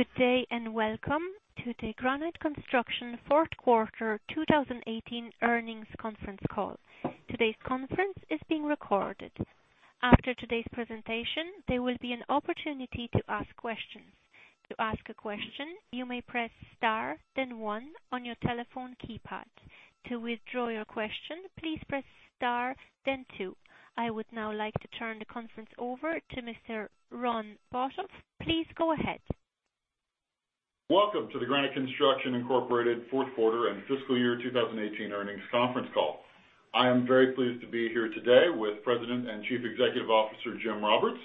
Good day, and welcome to the Granite Construction fourth quarter 2018 earnings conference call. Today's conference is being recorded. After today's presentation, there will be an opportunity to ask questions. To ask a question, you may press Star, then 1 on your telephone keypad. To withdraw your question, please press Star then 2. I would now like to turn the conference over to Mr. Ron Botoff. Please go ahead. Welcome to the Granite Construction Incorporated fourth quarter and fiscal year 2018 earnings conference call. I am very pleased to be here today with President and Chief Executive Officer, Jim Roberts,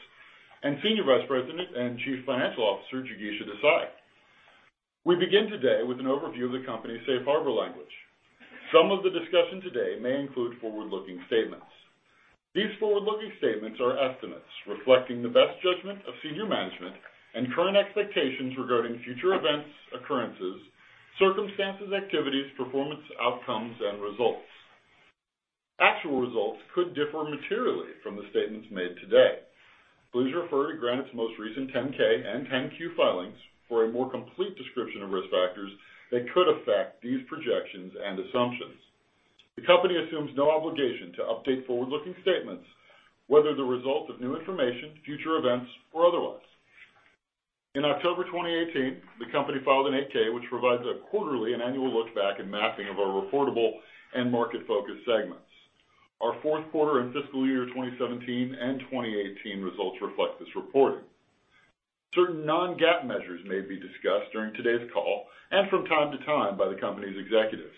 and Senior Vice President and Chief Financial Officer, Jigisha Desai. We begin today with an overview of the company's safe harbor language. Some of the discussion today may include forward-looking statements. These forward-looking statements are estimates reflecting the best judgment of senior management and current expectations regarding future events, occurrences, circumstances, activities, performance, outcomes, and results. Actual results could differ materially from the statements made today. Please refer to Granite's most recent 10-K and 10-Q filings for a more complete description of risk factors that could affect these projections and assumptions. The company assumes no obligation to update forward-looking statements, whether the result of new information, future events, or otherwise. In October 2018, the company filed an 8-K, which provides a quarterly and annual look back and mapping of our reportable and market-focused segments. Our fourth quarter and fiscal year 2017 and 2018 results reflect this reporting. Certain non-GAAP measures may be discussed during today's call and from time to time by the company's executives.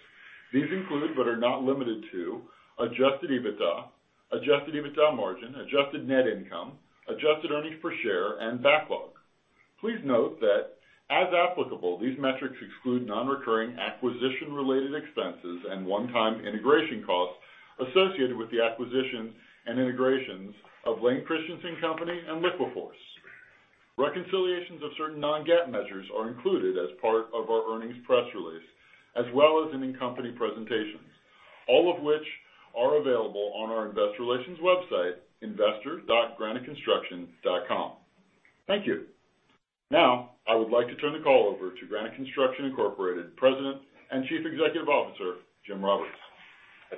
These include, but are not limited to, Adjusted EBITDA, Adjusted EBITDA margin, adjusted net income, adjusted earnings per share, and backlog. Please note that, as applicable, these metrics exclude nonrecurring acquisition-related expenses and one-time integration costs associated with the acquisitions and integrations of Layne Christensen Company and LiquiForce. Reconciliations of certain non-GAAP measures are included as part of our earnings press release, as well as in company presentations, all of which are available on our investor relations website, investor.graniteconstruction.com. Thank you. Now, I would like to turn the call over to Granite Construction Incorporated, President and Chief Executive Officer, Jim Roberts.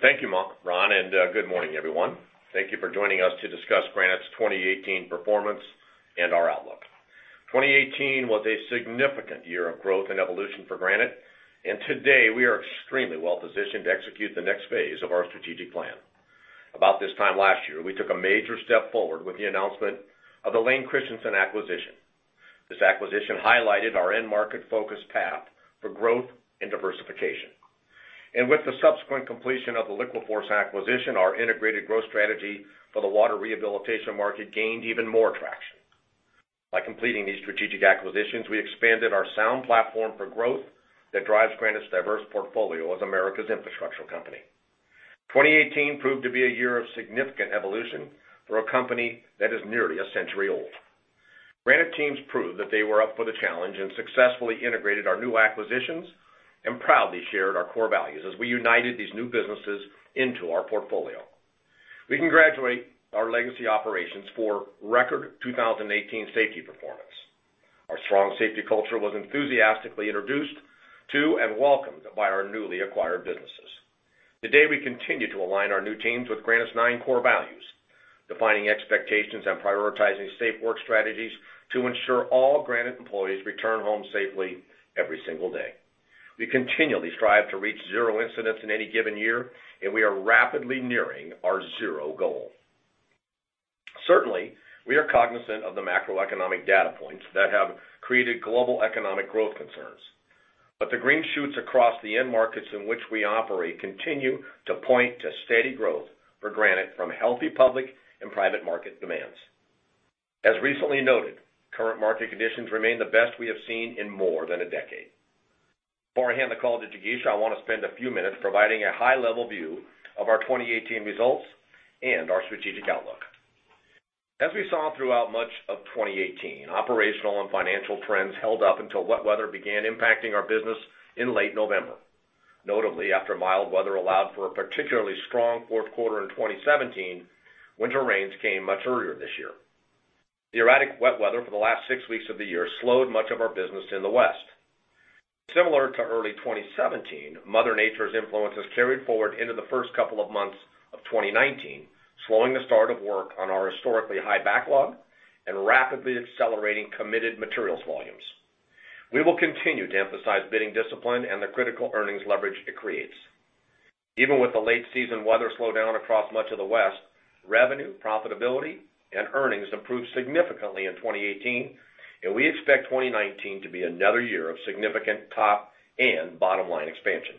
Thank you, Ron, and good morning, everyone. Thank you for joining us to discuss Granite's 2018 performance and our outlook. 2018 was a significant year of growth and evolution for Granite, and today we are extremely well positioned to execute the next phase of our strategic plan. About this time last year, we took a major step forward with the announcement of the Layne Christensen acquisition. This acquisition highlighted our end-market-focused path for growth and diversification. With the subsequent completion of the LiquiForce acquisition, our integrated growth strategy for the water rehabilitation market gained even more traction. By completing these strategic acquisitions, we expanded our sound platform for growth that drives Granite's diverse portfolio as America's infrastructure company. 2018 proved to be a year of significant evolution for a company that is nearly a century old. Granite teams proved that they were up for the challenge and successfully integrated our new acquisitions and proudly shared our core values as we united these new businesses into our portfolio. We congratulate our legacy operations for record 2018 safety performance. Our strong safety culture was enthusiastically introduced to and welcomed by our newly acquired businesses. Today, we continue to align our new teams with Granite's nine core values, defining expectations and prioritizing safe work strategies to ensure all Granite employees return home safely every single day. We continually strive to reach zero incidents in any given year, and we are rapidly nearing our zero goal. Certainly, we are cognizant of the macroeconomic data points that have created global economic growth concerns, but the green shoots across the end markets in which we operate continue to point to steady growth for Granite from healthy, public, and private market demands. As recently noted, current market conditions remain the best we have seen in more than a decade. Before I hand the call to Jigisha, I want to spend a few minutes providing a high-level view of our 2018 results and our strategic outlook. As we saw throughout much of 2018, operational and financial trends held up until wet weather began impacting our business in late November. Notably, after mild weather allowed for a particularly strong fourth quarter in 2017, winter rains came much earlier this year. The erratic wet weather for the last six weeks of the year slowed much of our business in the West. Similar to early 2017, Mother Nature's influences carried forward into the first couple of months of 2019, slowing the start of work on our historically high backlog and rapidly accelerating committed materials volumes. We will continue to emphasize bidding discipline and the critical earnings leverage it creates. Even with the late-season weather slowdown across much of the West, revenue, profitability, and earnings improved significantly in 2018, and we expect 2019 to be another year of significant top and bottom-line expansion.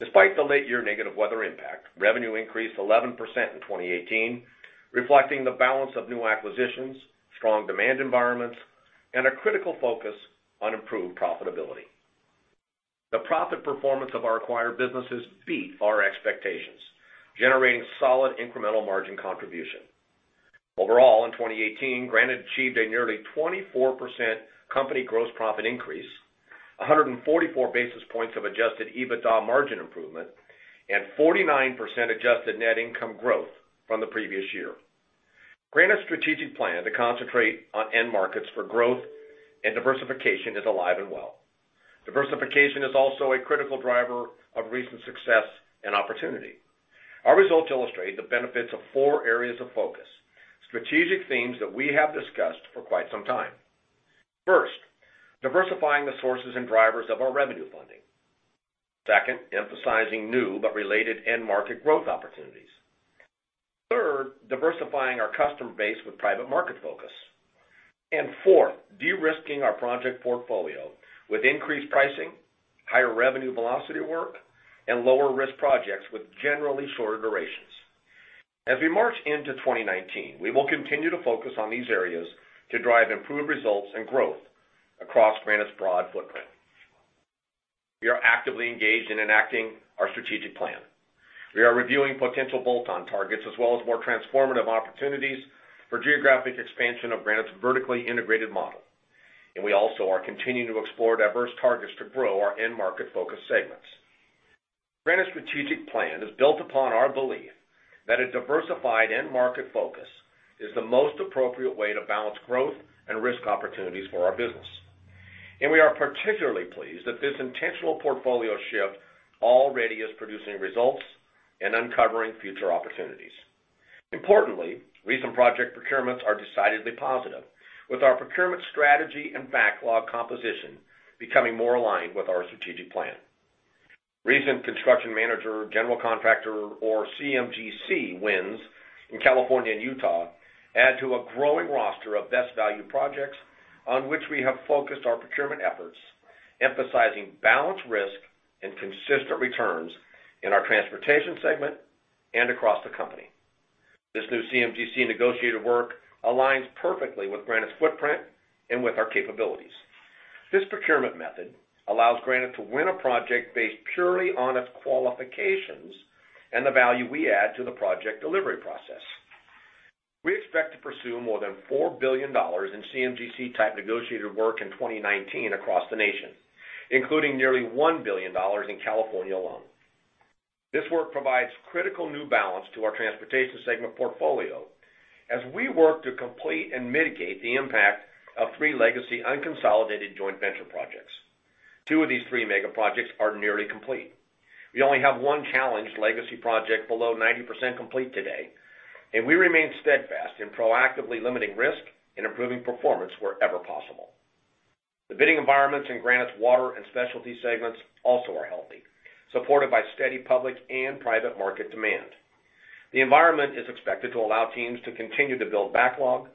Despite the late-year negative weather impact, revenue increased 11% in 2018, reflecting the balance of new acquisitions, strong demand environments, and a critical focus on improved profitability. The profit performance of our acquired businesses beat our expectations, generating solid incremental margin contribution. Overall, in 2018, Granite achieved a nearly 24% company gross profit increase, 144 basis points of adjusted EBITDA margin improvement, and 49% adjusted net income growth from the previous year. Granite's strategic plan to concentrate on end markets for growth and diversification is alive and well. Diversification is also a critical driver of recent success and opportunity. Our results illustrate the benefits of four areas of focus, strategic themes that we have discussed for quite some time. First, diversifying the sources and drivers of our revenue funding. Second, emphasizing new but related end market growth opportunities. Third, diversifying our customer base with private market focus. And fourth, de-risking our project portfolio with increased pricing, higher revenue velocity work, and lower-risk projects with generally shorter durations. As we march into 2019, we will continue to focus on these areas to drive improved results and growth across Granite's broad footprint. We are actively engaged in enacting our strategic plan. We are reviewing potential bolt-on targets, as well as more transformative opportunities for geographic expansion of Granite's vertically integrated model, and we also are continuing to explore diverse targets to grow our end market focus segments. Granite's strategic plan is built upon our belief that a diversified end market focus is the most appropriate way to balance growth and risk opportunities for our business, and we are particularly pleased that this intentional portfolio shift already is producing results and uncovering future opportunities. Importantly, recent project procurements are decidedly positive, with our procurement strategy and backlog composition becoming more aligned with our strategic plan. Recent construction manager, general contractor, or CMGC wins in California and Utah add to a growing roster of best value projects on which we have focused our procurement efforts, emphasizing balanced risk and consistent returns in our transportation segment and across the company. This new CMGC negotiated work aligns perfectly with Granite's footprint and with our capabilities. This procurement method allows Granite to win a project based purely on its qualifications and the value we add to the project delivery process. We expect to pursue more than $4 billion in CMGC-type negotiated work in 2019 across the nation, including nearly $1 billion in California alone. This work provides critical new balance to our transportation segment portfolio as we work to complete and mitigate the impact of three legacy unconsolidated joint venture projects. Two of these three mega projects are nearly complete. We only have one challenged legacy project below 90% complete today, and we remain steadfast in proactively limiting risk and improving performance wherever possible. The bidding environments in Granite's water and specialty segments also are healthy, supported by steady public and private market demand. The environment is expected to allow teams to continue to build backlog,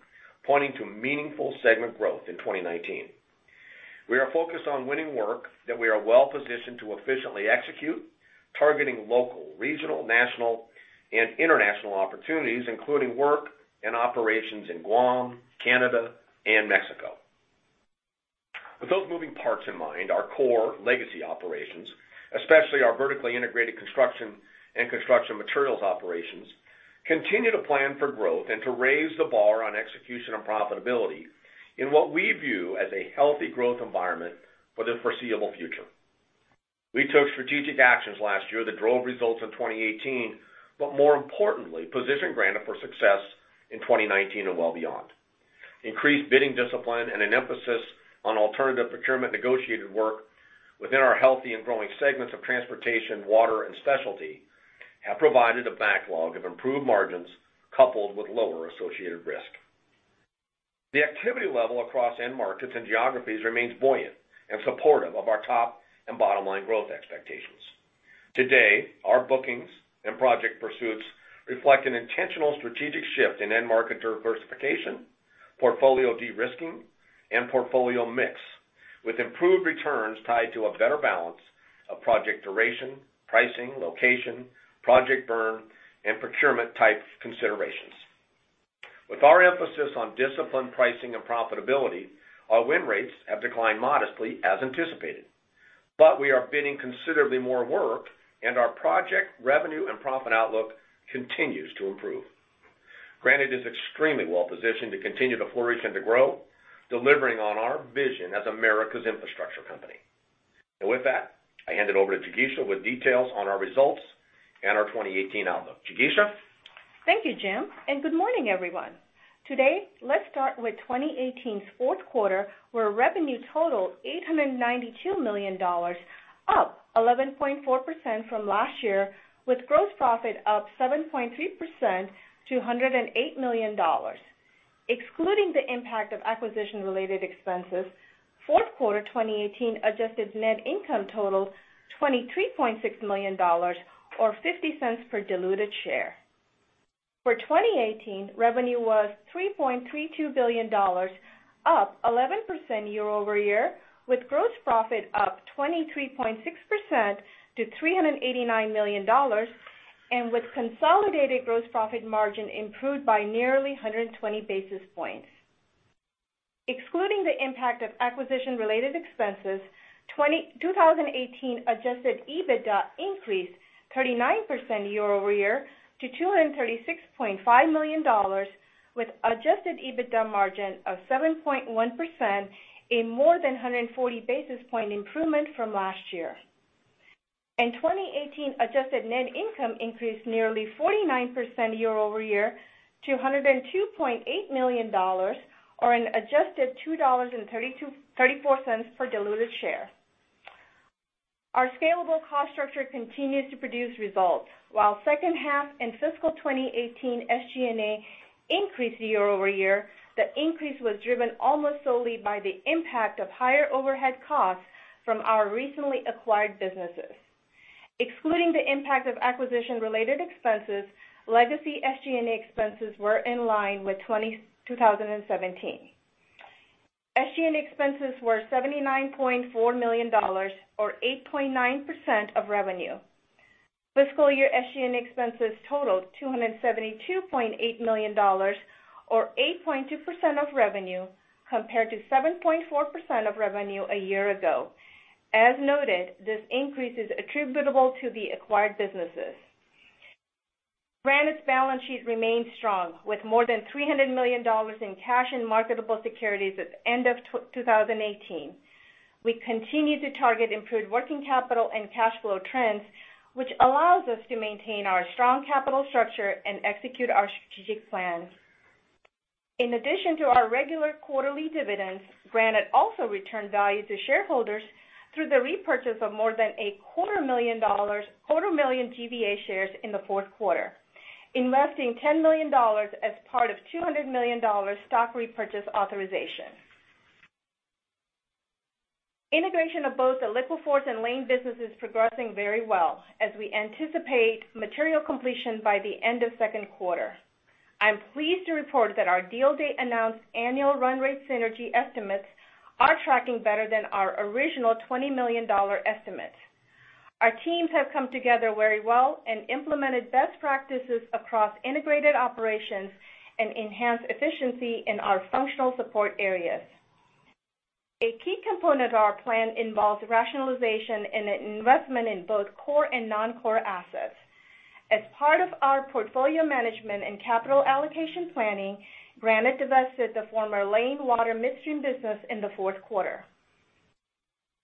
pointing to meaningful segment growth in 2019. We are focused on winning work that we are well-positioned to efficiently execute, targeting local, regional, national, and international opportunities, including work and operations in Guam, Canada, and Mexico. With those moving parts in mind, our core legacy operations, especially our vertically integrated construction and construction materials operations, continue to plan for growth and to raise the bar on execution and profitability in what we view as a healthy growth environment for the foreseeable future. We took strategic actions last year that drove results in 2018, but more importantly, positioned Granite for success in 2019 and well beyond. Increased bidding discipline and an emphasis on alternative procurement negotiated work within our healthy and growing segments of transportation, water, and specialty have provided a backlog of improved margins, coupled with lower associated risk. The activity level across end markets and geographies remains buoyant and supportive of our top and bottom line growth expectations. Today, our bookings and project pursuits reflect an intentional strategic shift in end market diversification, portfolio de-risking, and portfolio mix, with improved returns tied to a better balance of project duration, pricing, location, project burn, and procurement-type considerations. With our emphasis on disciplined pricing and profitability, our win rates have declined modestly, as anticipated, but we are bidding considerably more work, and our project, revenue, and profit outlook continues to improve. Granite is extremely well positioned to continue to flourish and to grow, delivering on our vision as America's infrastructure company. With that, I hand it over to Jigisha with details on our results and our 2018 outlook. Jigisha? Thank you, Jim, and good morning, everyone. Today, let's start with 2018's fourth quarter, where revenue totaled $892 million, up 11.4% from last year, with gross profit up 7.3% to $108 million. Excluding the impact of acquisition-related expenses, fourth quarter 2018 adjusted net income totaled $23.6 million, or $0.50 per diluted share. For 2018, revenue was $3.32 billion, up 11% year-over-year, with gross profit up 23.6% to $389 million, and with consolidated gross profit margin improved by nearly 120 basis points. Excluding the impact of acquisition-related expenses, 2018 adjusted EBITDA increased 39% year-over-year to $236.5 million, with adjusted EBITDA margin of 7.1%, a more than 140 basis point improvement from last year. 2018 adjusted net income increased nearly 49% year-over-year to $102.8 million, or an adjusted $2.34 per diluted share. Our scalable cost structure continues to produce results. While second half in fiscal 2018, SG&A increased year-over-year, the increase was driven almost solely by the impact of higher overhead costs from our recently acquired businesses. Excluding the impact of acquisition-related expenses, legacy SG&A expenses were in line with 2017. SG&A expenses were $79.4 million or 8.9% of revenue. Fiscal year SG&A expenses totaled $272.8 million, or 8.2% of revenue, compared to 7.4% of revenue a year ago. As noted, this increase is attributable to the acquired businesses. Granite's balance sheet remains strong, with more than $300 million in cash and marketable securities at the end of 2018. We continue to target improved working capital and cash flow trends, which allows us to maintain our strong capital structure and execute our strategic plans. In addition to our regular quarterly dividends, Granite also returned value to shareholders through the repurchase of more than a quarter million of our shares in the fourth quarter, investing $10 million as part of $200 million stock repurchase authorization. Integration of both the LiquiForce and Layne businesses is progressing very well as we anticipate material completion by the end of second quarter. I'm pleased to report that our deal date announced annual run rate synergy estimates are tracking better than our original $20 million estimate. Our teams have come together very well and implemented best practices across integrated operations and enhanced efficiency in our functional support areas. A key component of our plan involves rationalization and an investment in both core and non-core assets. As part of our portfolio management and capital allocation planning, Granite divested the former Layne Water Midstream business in the fourth quarter.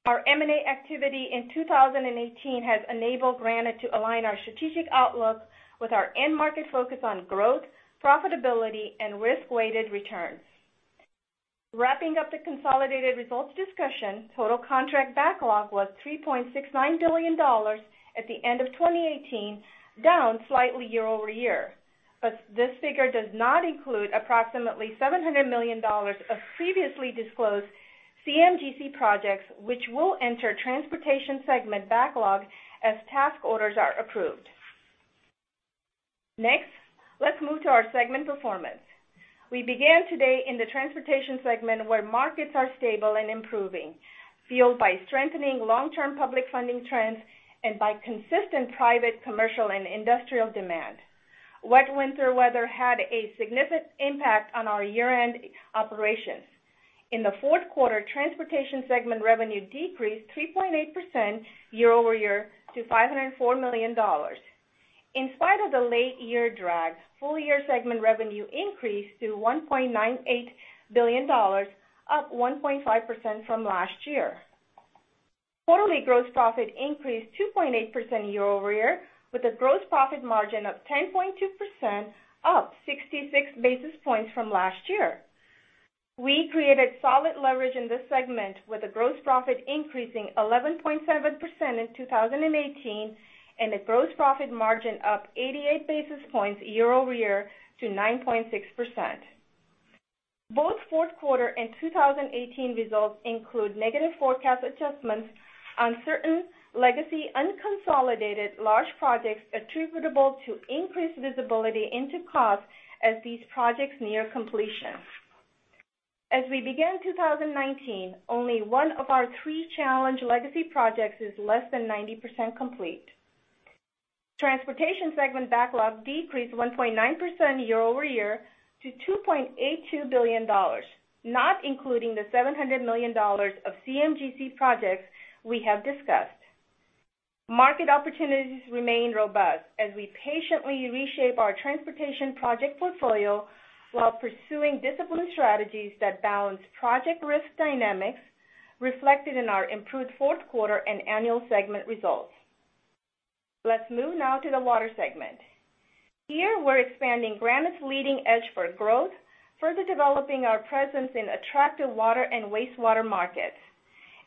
Our M&A activity in 2018 has enabled Granite to align our strategic outlook with our end market focus on growth, profitability, and risk-weighted returns. Wrapping up the consolidated results discussion, total contract backlog was $3.69 billion at the end of 2018, down slightly year-over-year. But this figure does not include approximately $700 million of previously disclosed CMGC projects, which will enter transportation segment backlog as task orders are approved. Next, let's move to our segment performance. We began today in the transportation segment, where markets are stable and improving, fueled by strengthening long-term public funding trends and by consistent private, commercial, and industrial demand. Wet winter weather had a significant impact on our year-end operations. In the fourth quarter, transportation segment revenue decreased 3.8% year-over-year to $504 million. In spite of the late year drag, full-year segment revenue increased to $1.98 billion, up 1.5% from last year. Quarterly gross profit increased 2.8% year-over-year, with a gross profit margin of 10.2%, up 66 basis points from last year. We created solid leverage in this segment, with a gross profit increasing 11.7% in 2018, and a gross profit margin up 88 basis points year-over-year to 9.6%. Both fourth quarter and 2018 results include negative forecast adjustments on certain legacy unconsolidated large projects attributable to increased visibility into costs as these projects near completion. As we begin 2019, only one of our three challenged legacy projects is less than 90% complete. Transportation segment backlog decreased 1.9% year-over-year to $2.82 billion, not including the $700 million of CMGC projects we have discussed. Market opportunities remain robust as we patiently reshape our transportation project portfolio while pursuing disciplined strategies that balance project risk dynamics reflected in our improved fourth quarter and annual segment results. Let's move now to the water segment. Here, we're expanding Granite's leading edge for growth, further developing our presence in attractive water and wastewater markets,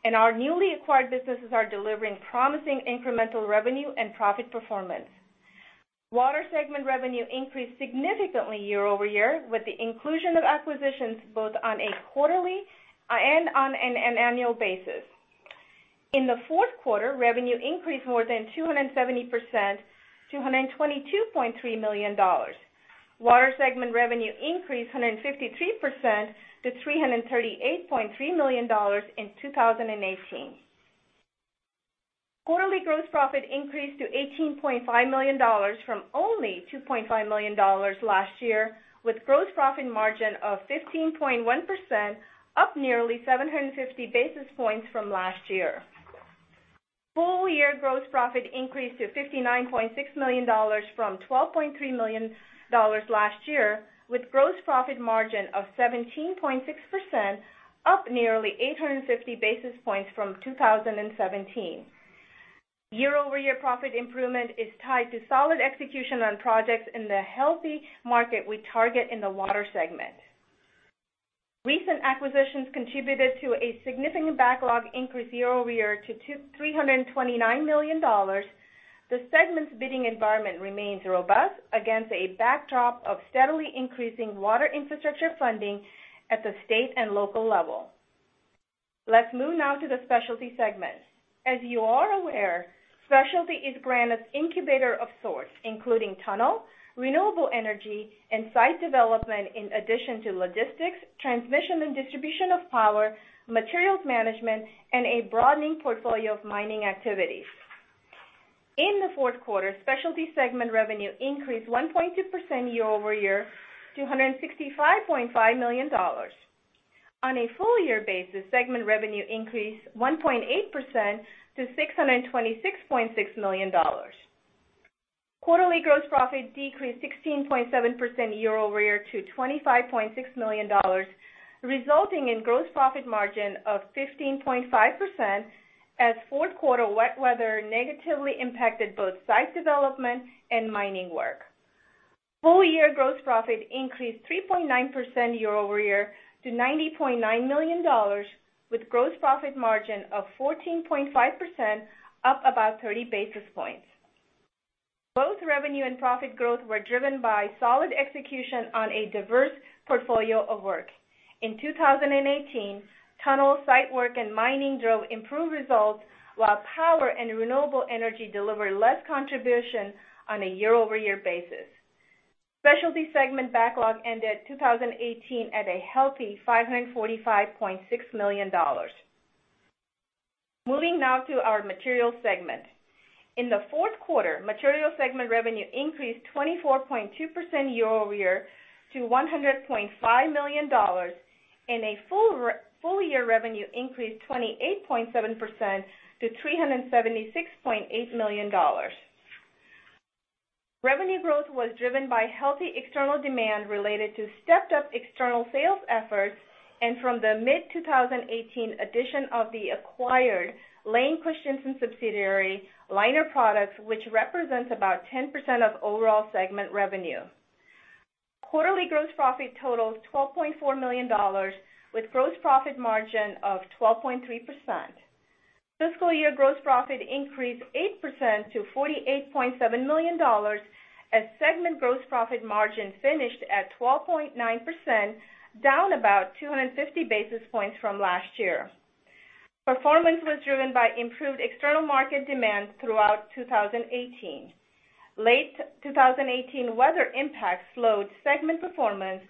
and our newly acquired businesses are delivering promising incremental revenue and profit performance. Water segment revenue increased significantly year-over-year, with the inclusion of acquisitions both on a quarterly and on an annual basis. In the fourth quarter, revenue increased more than 270% to $122.3 million. Water segment revenue increased 153% to $338.3 million in 2018. Quarterly gross profit increased to $18.5 million from only $2.5 million last year, with gross profit margin of 15.1%, up nearly 750 basis points from last year. Full-year gross profit increased to $59.6 million from $12.3 million last year, with gross profit margin of 17.6%, up nearly 850 basis points from 2017.... year-over-year profit improvement is tied to solid execution on projects in the healthy market we target in the water segment. Recent acquisitions contributed to a significant backlog increase year-over-year to $239 million. The segment's bidding environment remains robust against a backdrop of steadily increasing water infrastructure funding at the state and local level. Let's move now to the specialty segment. As you are aware, specialty is Granite's incubator of sorts, including tunnel, renewable energy, and site development, in addition to logistics, transmission and distribution of power, materials management, and a broadening portfolio of mining activities. In the fourth quarter, specialty segment revenue increased 1.2% year-over-year to $165.5 million. On a full year basis, segment revenue increased 1.8% to $626.6 million. Quarterly gross profit decreased 16.7% year-over-year to $25.6 million, resulting in gross profit margin of 15.5%, as fourth quarter wet weather negatively impacted both site development and mining work. Full year gross profit increased 3.9% year-over-year to $90.9 million, with gross profit margin of 14.5%, up about 30 basis points. Both revenue and profit growth were driven by solid execution on a diverse portfolio of work. In 2018, tunnel, site work, and mining drove improved results, while power and renewable energy delivered less contribution on a year-over-year basis. Specialty segment backlog ended 2018 at a healthy $545.6 million. Moving now to our materials segment. In the fourth quarter, materials segment revenue increased 24.2% year-over-year to $100.5 million, and full year revenue increased 28.7% to $376.8 million. Revenue growth was driven by healthy external demand related to stepped up external sales efforts, and from the mid-2018 addition of the acquired Lane Christensen subsidiary, Liner Products, which represents about 10% of overall segment revenue. Quarterly gross profit totaled $12.4 million, with gross profit margin of 12.3%. Fiscal year gross profit increased 8% to $48.7 million, as segment gross profit margin finished at 12.9%, down about 250 basis points from last year. Performance was driven by improved external market demand throughout 2018. Late 2018 weather impacts slowed segment performance,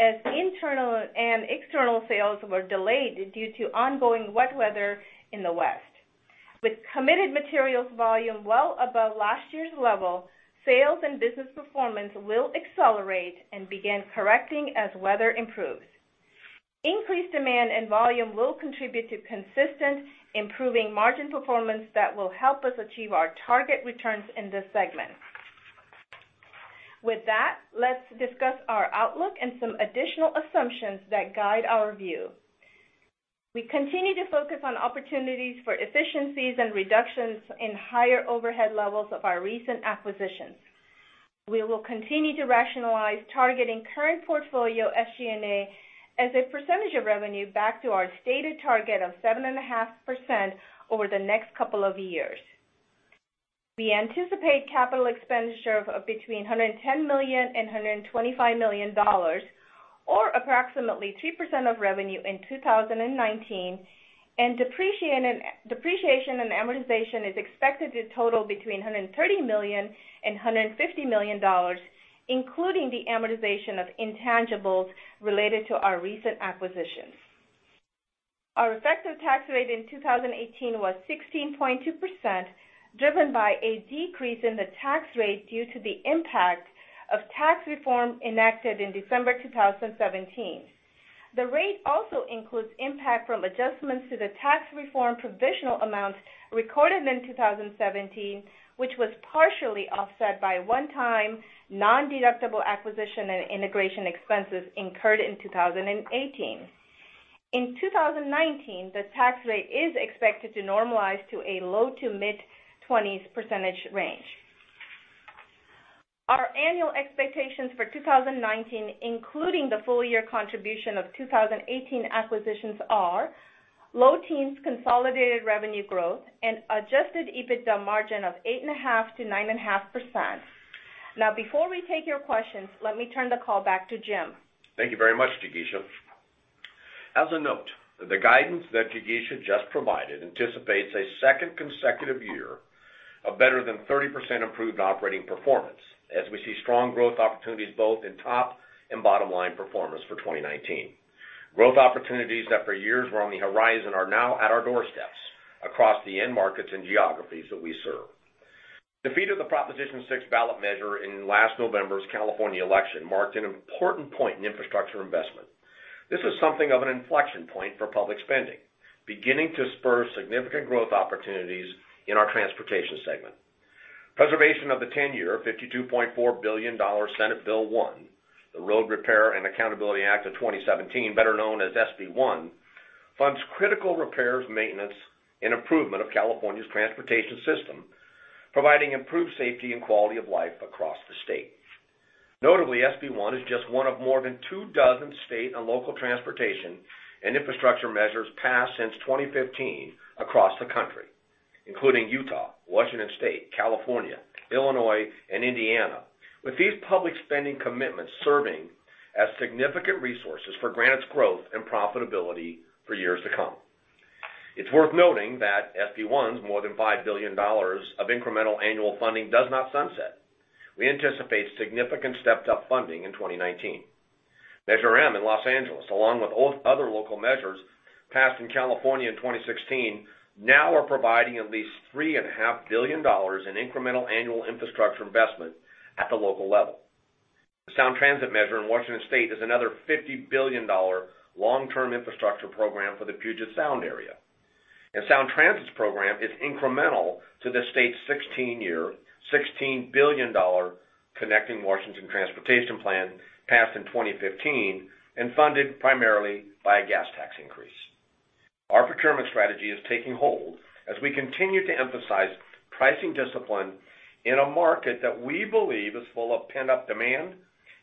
as internal and external sales were delayed due to ongoing wet weather in the West. With committed materials volume well above last year's level, sales and business performance will accelerate and begin correcting as weather improves. Increased demand and volume will contribute to consistent, improving margin performance that will help us achieve our target returns in this segment. With that, let's discuss our outlook and some additional assumptions that guide our view. We continue to focus on opportunities for efficiencies and reductions in higher overhead levels of our recent acquisitions. We will continue to rationalize targeting current portfolio SG&A as a percentage of revenue back to our stated target of 7.5% over the next couple of years. We anticipate capital expenditure of between $110 million and $125 million, or approximately 2% of revenue in 2019, and depreciation and amortization is expected to total between $130 million and $150 million, including the amortization of intangibles related to our recent acquisitions. Our effective tax rate in 2018 was 16.2%, driven by a decrease in the tax rate due to the impact of tax reform enacted in December 2017. The rate also includes impact from adjustments to the tax reform provisional amounts recorded in 2017, which was partially offset by one-time, non-deductible acquisition and integration expenses incurred in 2018. In 2019, the tax rate is expected to normalize to a low to mid-20s percentage range. Our annual expectations for 2019, including the full year contribution of 2018 acquisitions, are low teens consolidated revenue growth and adjusted EBITDA margin of 8.5%-9.5%. Now, before we take your questions, let me turn the call back to Jim. Thank you very much, Jigisha. As a note, the guidance that Jigisha just provided anticipates a second consecutive year of better than 30% improved operating performance, as we see strong growth opportunities both in top and bottom line performance for 2019. Growth opportunities that for years were on the horizon are now at our doorsteps across the end markets and geographies that we serve. Defeat of the Proposition 6 ballot measure in last November's California election marked an important point in infrastructure investment. This is something of an inflection point for public spending, beginning to spur significant growth opportunities in our transportation segment.... Preservation of the 10-year, $52.4 billion Senate Bill 1, the Road Repair and Accountability Act of 2017, better known as SB 1, funds critical repairs, maintenance, and improvement of California's transportation system, providing improved safety and quality of life across the state. Notably, SB 1 is just one of more than two dozen state and local transportation and infrastructure measures passed since 2015 across the country, including Utah, Washington State, California, Illinois, and Indiana. With these public spending commitments serving as significant resources for Granite's growth and profitability for years to come. It's worth noting that SB 1's more than $5 billion of incremental annual funding does not sunset. We anticipate significant stepped-up funding in 2019. Measure M in Los Angeles, along with other local measures passed in California in 2016, now are providing at least $3.5 billion in incremental annual infrastructure investment at the local level. The Sound Transit measure in Washington state is another $50 billion long-term infrastructure program for the Puget Sound area, and Sound Transit's program is incremental to the state's 16-year, $16 billion Connecting Washington Transportation plan, passed in 2015 and funded primarily by a gas tax increase. Our procurement strategy is taking hold as we continue to emphasize pricing discipline in a market that we believe is full of pent-up demand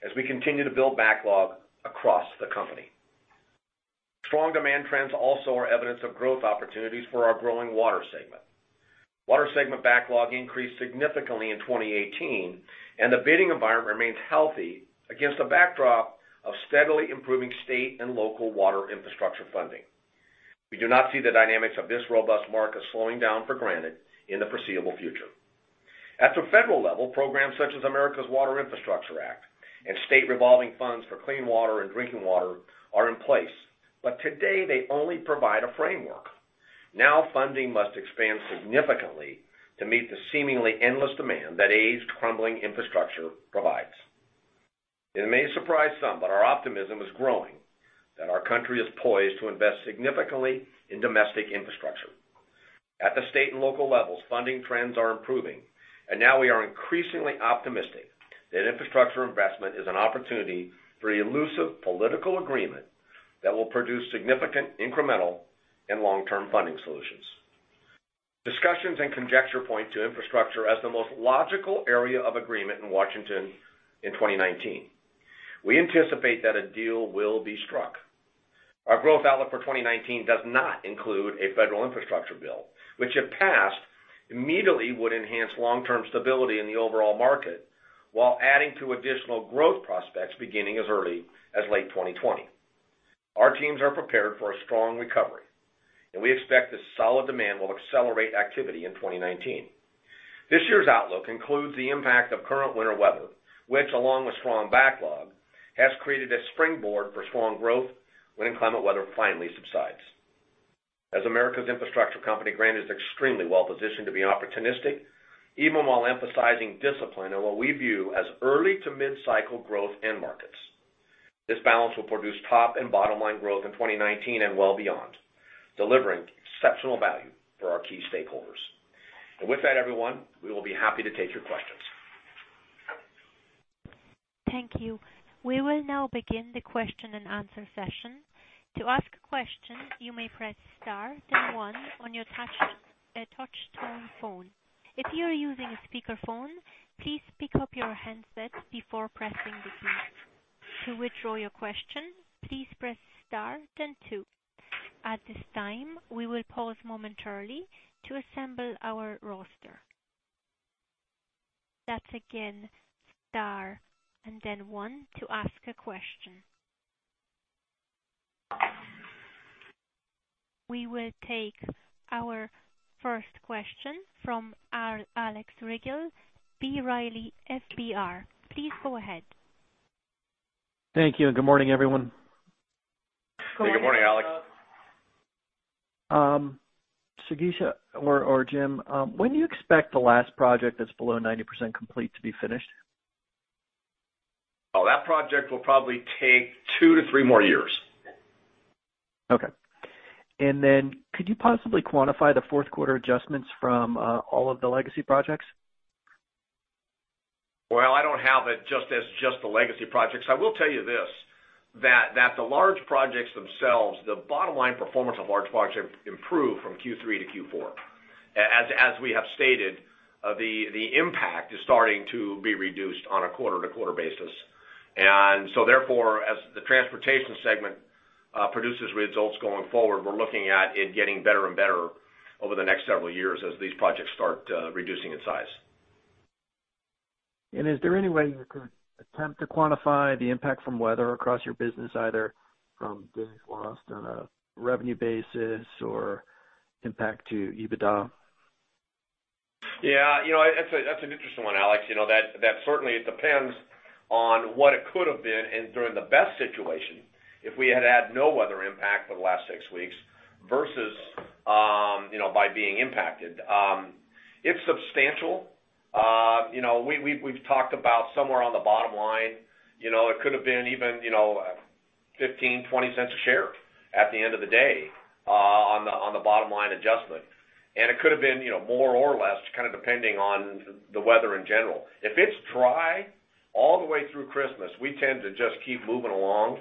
as we continue to build backlog across the company. Strong demand trends also are evidence of growth opportunities for our growing water segment. Water segment backlog increased significantly in 2018, and the bidding environment remains healthy against a backdrop of steadily improving state and local water infrastructure funding. We do not see the dynamics of this robust market slowing down for Granite in the foreseeable future. At the federal level, programs such as America's Water Infrastructure Act and State Revolving Funds for clean water and drinking water are in place, but today they only provide a framework. Now, funding must expand significantly to meet the seemingly endless demand that aged, crumbling infrastructure provides. It may surprise some, but our optimism is growing, that our country is poised to invest significantly in domestic infrastructure. At the state and local levels, funding trends are improving, and now we are increasingly optimistic that infrastructure investment is an opportunity for the elusive political agreement that will produce significant incremental and long-term funding solutions. Discussions and conjecture point to infrastructure as the most logical area of agreement in Washington in 2019. We anticipate that a deal will be struck. Our growth outlook for 2019 does not include a federal infrastructure bill, which, if passed, immediately, would enhance long-term stability in the overall market, while adding to additional growth prospects beginning as early as late 2020. Our teams are prepared for a strong recovery, and we expect this solid demand will accelerate activity in 2019. This year's outlook includes the impact of current winter weather, which, along with strong backlog, has created a springboard for strong growth when inclement weather finally subsides. As America's infrastructure company, Granite is extremely well positioned to be opportunistic, even while emphasizing discipline in what we view as early to mid-cycle growth end markets. This balance will produce top and bottom-line growth in 2019 and well beyond, delivering exceptional value for our key stakeholders. With that, everyone, we will be happy to take your questions. Thank you. We will now begin the question-and-answer session. To ask a question, you may press star then one on your touch tone phone. If you are using a speakerphone, please pick up your handset before pressing the key. To withdraw your question, please press star then two. At this time, we will pause momentarily to assemble our roster. That's again, star and then one to ask a question. We will take our first question from Alex Rygiel, B. Riley FBR. Please go ahead. Thank you, and good morning, everyone. Good morning, Alex. Jigisha or Jim, when do you expect the last project that's below 90% complete to be finished? Oh, that project will probably take 2-3 more years. Okay. And then could you possibly quantify the fourth quarter adjustments from all of the legacy projects? Well, I don't have it just as the legacy projects. I will tell you this, that the large projects themselves, the bottom line performance of large projects have improved from Q3 to Q4. As we have stated, the impact is starting to be reduced on a quarter-to-quarter basis. And so therefore, as the transportation segment produces results going forward, we're looking at it getting better and better over the next several years as these projects start reducing in size. Is there any way you could attempt to quantify the impact from weather across your business, either from business lost on a revenue basis or impact to EBITDA? Yeah, you know, that's an interesting one, Alex. You know, that certainly depends on what it could have been, and during the best situation, if we had no weather impact for the last 6 weeks versus, you know, by being impacted. It's substantial. You know, we've talked about somewhere on the bottom line, you know, it could have been even, you know, $0.15-$0.20 a share at the end of the day, on the bottom line adjustment, and it could have been, you know, more or less, kind of, depending on the weather in general. If it's dry all the way through Christmas, we tend to just keep moving along,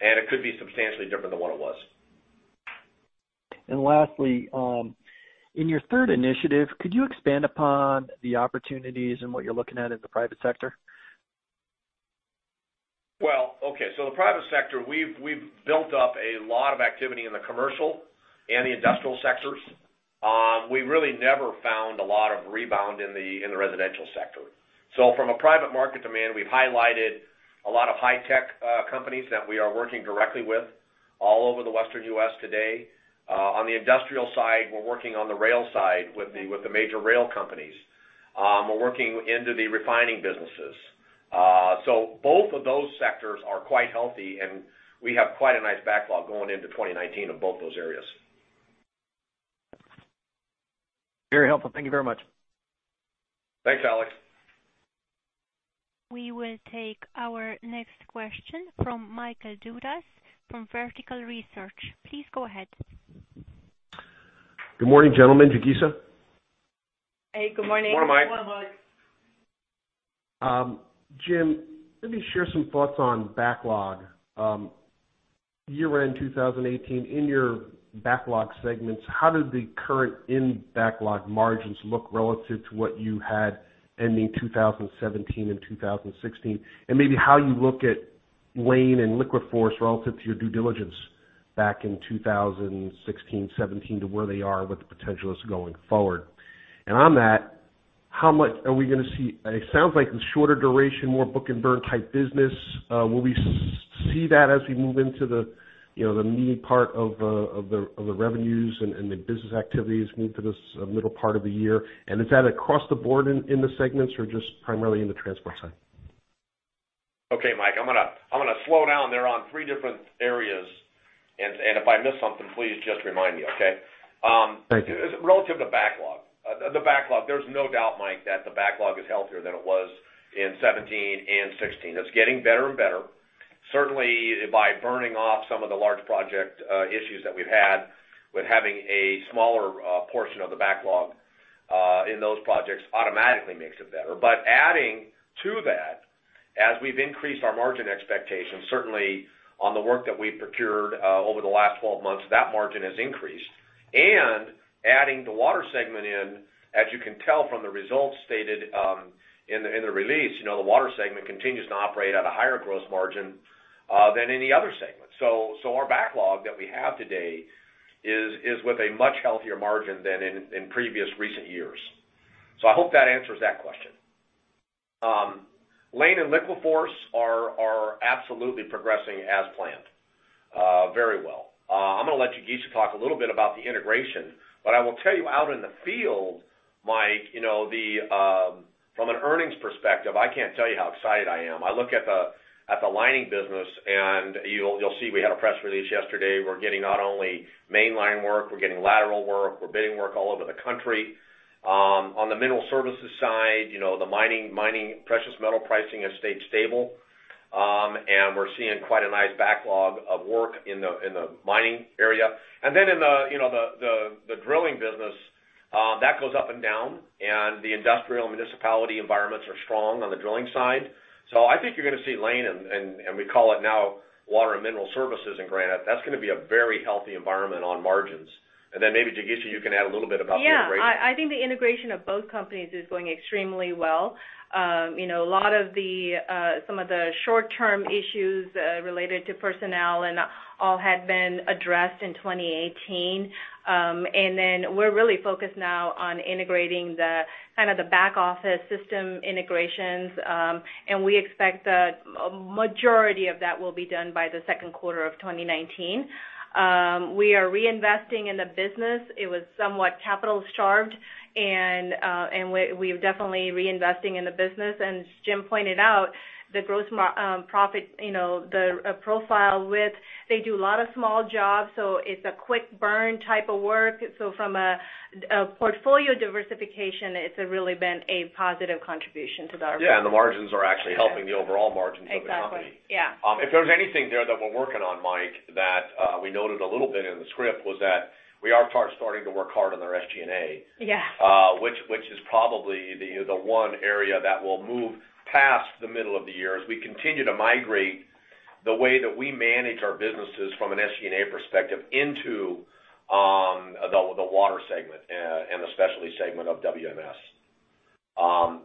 and it could be substantially different than what it was. And lastly, in your third initiative, could you expand upon the opportunities and what you're looking at in the private sector? Well, okay, so the private sector, we've, we've built up a lot of activity in the commercial and the industrial sectors. We really never found a lot of rebound in the, in the residential sector. So from a private market demand, we've highlighted a lot of high-tech companies that we are working directly with all over the Western U.S. today. On the industrial side, we're working on the rail side with the major rail companies. We're working into the refining businesses. So both of those sectors are quite healthy, and we have quite a nice backlog going into 2019 in both those areas. Very helpful. Thank you very much. Thanks, Alex. We will take our next question from Michael Dudas, from Vertical Research. Please go ahead. Good morning, gentlemen. Jigisha. Hey, good morning. Good morning, Mike. Good morning, Mike. Jim, let me share some thoughts on backlog. Year-end 2018, in your backlog segments, how did the current in backlog margins look relative to what you had ending 2017 and 2016? And maybe how you look at Layne and LiquiForce relative to your due diligence back in 2016, 2017, to where they are with the potentials going forward. And on that, how much are we gonna see? It sounds like a shorter duration, more book-and-burn type business. Will we see that as we move into the, you know, the needy part of, of the revenues and the business activities move to this, middle part of the year? And is that across the board in the segments or just primarily in the transport side? Okay, Mike, I'm gonna slow down there on three different areas, and if I miss something, please just remind me, okay? Thank you. Relative to backlog. The backlog, there's no doubt, Mike, that the backlog is healthier than it was in 2017 and 2016. It's getting better and better. Certainly, by burning off some of the large project issues that we've had, with having a smaller portion of the backlog in those projects, automatically makes it better. But adding to that, as we've increased our margin expectations, certainly on the work that we've procured over the last 12 months, that margin has increased. And adding the water segment in, as you can tell from the results stated in the release, you know, the water segment continues to operate at a higher gross margin than any other segment. So our backlog that we have today is with a much healthier margin than in previous recent years. So I hope that answers that question. Layne and LiquiForce are absolutely progressing as planned, very well. I'm gonna let Jigisha talk a little bit about the integration, but I will tell you, out in the field, Mike, you know, from an earnings perspective, I can't tell you how excited I am. I look at the lining business, and you'll see we had a press release yesterday. We're getting not only mainline work, we're getting lateral work, we're bidding work all over the country. On the mineral services side, you know, the mining, precious metal pricing has stayed stable, and we're seeing quite a nice backlog of work in the mining area. And then in the, you know, the drilling business, that goes up and down, and the industrial municipality environments are strong on the drilling side. So I think you're gonna see Layne and we call it now, Water and Mineral Services in Granite. That's gonna be a very healthy environment on margins. And then maybe, Jigisha, you can add a little bit about the integration. Yeah. I think the integration of both companies is going extremely well. You know, a lot of some of the short-term issues related to personnel and all had been addressed in 2018. And then we're really focused now on integrating the kind of back office system integrations, and we expect that a majority of that will be done by the second quarter of 2019. We are reinvesting in the business. It was somewhat capital-starved, and we're definitely reinvesting in the business. And as Jim pointed out, the gross margin, you know, the profit profile with... They do a lot of small jobs, so it's a quick burn type of work. So from a portfolio diversification, it's really been a positive contribution to the overall. Yeah, and the margins are actually helping the overall margins of the company. Exactly. Yeah. If there's anything there that we're working on, Mike, that we noted a little bit in the script was that we are starting to work hard on our SG&A. Yeah. Which is probably the one area that will move past the middle of the year, as we continue to migrate the way that we manage our businesses from an SG&A perspective into the water segment and the specialty segment of WMS.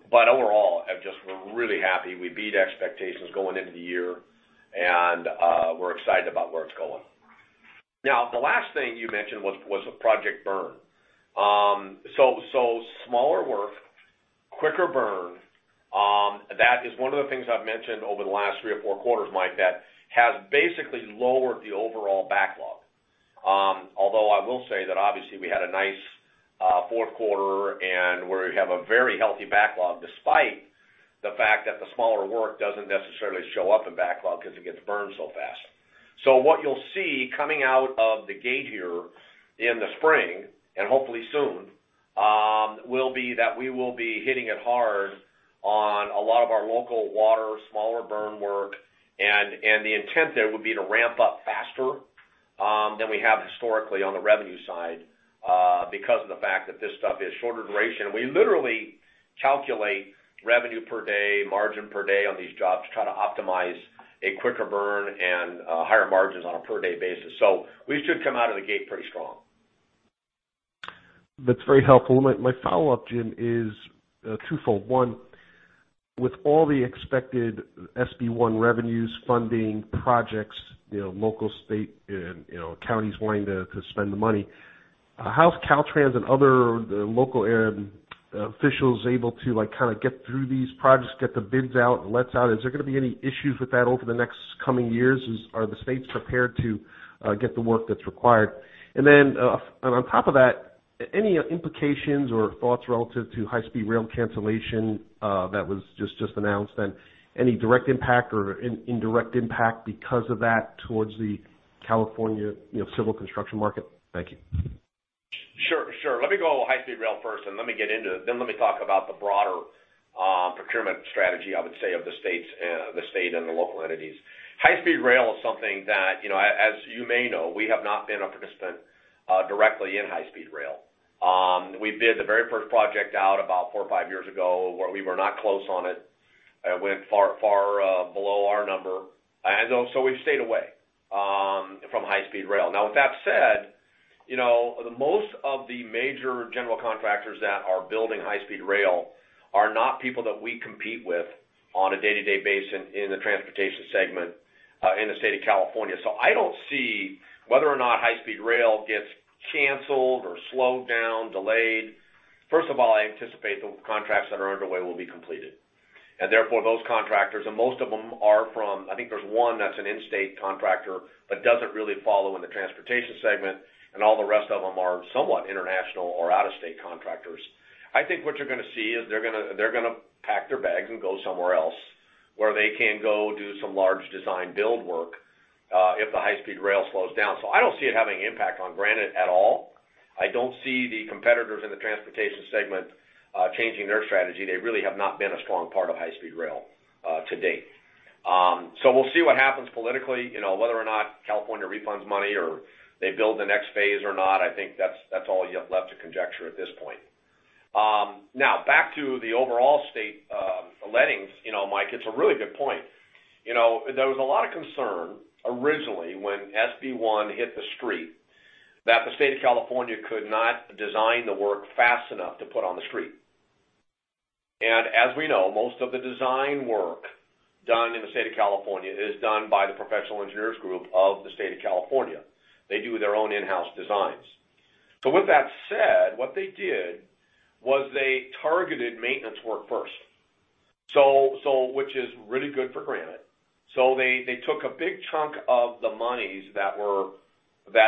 But overall, I'm just, we're really happy we beat expectations going into the year, and we're excited about where it's going. Now, the last thing you mentioned was a project burn. So smaller work, quicker burn, that is one of the things I've mentioned over the last three or four quarters, Mike, that has basically lowered the overall backlog. Although I will say that obviously, we had a nice fourth quarter, and we have a very healthy backlog, despite the fact that the smaller work doesn't necessarily show up in backlog because it gets burned so fast. So what you'll see coming out of the gate here in the spring, and hopefully soon, will be that we will be hitting it hard on a lot of our local water, smaller burn work, and the intent there would be to ramp up faster than we have historically on the revenue side, because of the fact that this stuff is shorter duration. We literally calculate revenue per day, margin per day on these jobs to try to optimize a quicker burn and higher margins on a per day basis. So we should come out of the gate pretty strong. That's very helpful. My follow-up, Jim, is twofold. One, with all the expected SB 1 revenues, funding, projects, you know, local, state, and, you know, counties wanting to spend the money, how's Caltrans and other local officials able to, like, kind of get through these projects, get the bids out and lets out? Is there gonna be any issues with that over the next coming years? Is... Are the states prepared to get the work that's required? And then, and on top of that, any implications or thoughts relative to high-speed rail cancellation that was just announced, and any direct impact or indirect impact because of that, towards the California civil construction market? Thank you. Sure, sure. Let me go high-speed rail first, and let me get into it, then let me talk about the broader, procurement strategy, I would say, of the states, the state and the local entities. High-speed rail is something that, you know, as, as you may know, we have not been a participant, directly in high-speed rail. We bid the very first project out about 4 or 5 years ago, where we were not close on it. It went far, far, below our number, and so, so we've stayed away, from high-speed rail. Now, with that said, you know, most of the major general contractors that are building high-speed rail are not people that we compete with on a day-to-day basis in the transportation segment, in the state of California. So I don't see whether or not high-speed rail gets canceled or slowed down, delayed. First of all, I anticipate the contracts that are underway will be completed. And therefore, those contractors, and most of them are from... I think there's one that's an in-state contractor, but doesn't really follow in the transportation segment, and all the rest of them are somewhat international or out-of-state contractors. I think what you're gonna see is they're gonna, they're gonna pack their bags and go somewhere else, where they can go do some large design build work, if the high-speed rail slows down. So I don't see it having an impact on Granite at all. I don't see the competitors in the transportation segment, changing their strategy. They really have not been a strong part of high-speed rail, to date. So we'll see what happens politically, you know, whether or not California refunds money or they build the next phase or not. I think that's, that's all you have left to conjecture at this point. Now, back to the overall state, lettings, you know, Mike, it's a really good point. You know, there was a lot of concern originally when SB 1 hit the street, that the state of California could not design the work fast enough to put on the street. And as we know, most of the design work done in the state of California is done by the professional engineers group of the state of California. They do their own in-house designs. So with that said, what they did was they targeted maintenance work first, so, so which is really good for Granite. So they, they took a big chunk of the monies that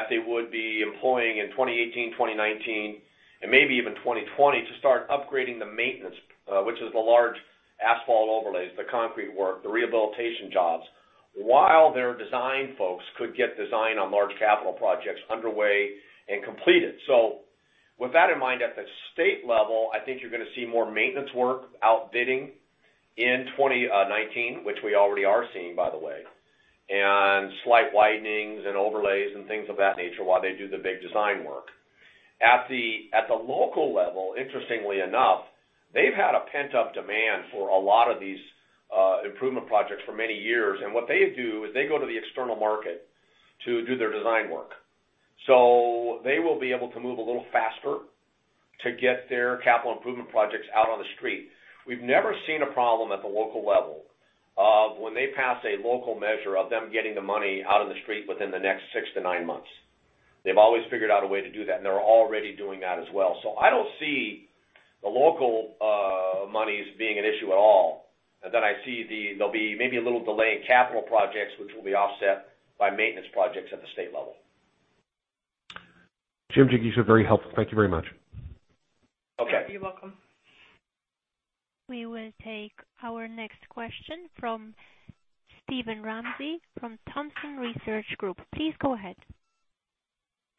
they would be employing in 2018, 2019, and maybe even 2020, to start upgrading the maintenance, which is the large asphalt overlays, the concrete work, the rehabilitation jobs, while their design folks could get design on large capital projects underway and completed. So with that in mind, at the state level, I think you're gonna see more maintenance work outbidding in 2019, which we already are seeing, by the way, and slight widenings and overlays and things of that nature while they do the big design work. At the local level, interestingly enough, they've had a pent-up demand for a lot of these improvement projects for many years, and what they do is they go to the external market to do their design work. So they will be able to move a little faster to get their capital improvement projects out on the street. We've never seen a problem at the local level of when they pass a local measure of them getting the money out on the street within the next 6-9 months. They've always figured out a way to do that, and they're already doing that as well. So I don't see the local monies being an issue at all. Then I see the... There'll be maybe a little delay in capital projects, which will be offset by maintenance projects at the state level. Jim, thank you. So very helpful. Thank you very much. Okay. You're welcome. We will take our next question from Steven Ramsey, from Thompson Research Group. Please go ahead.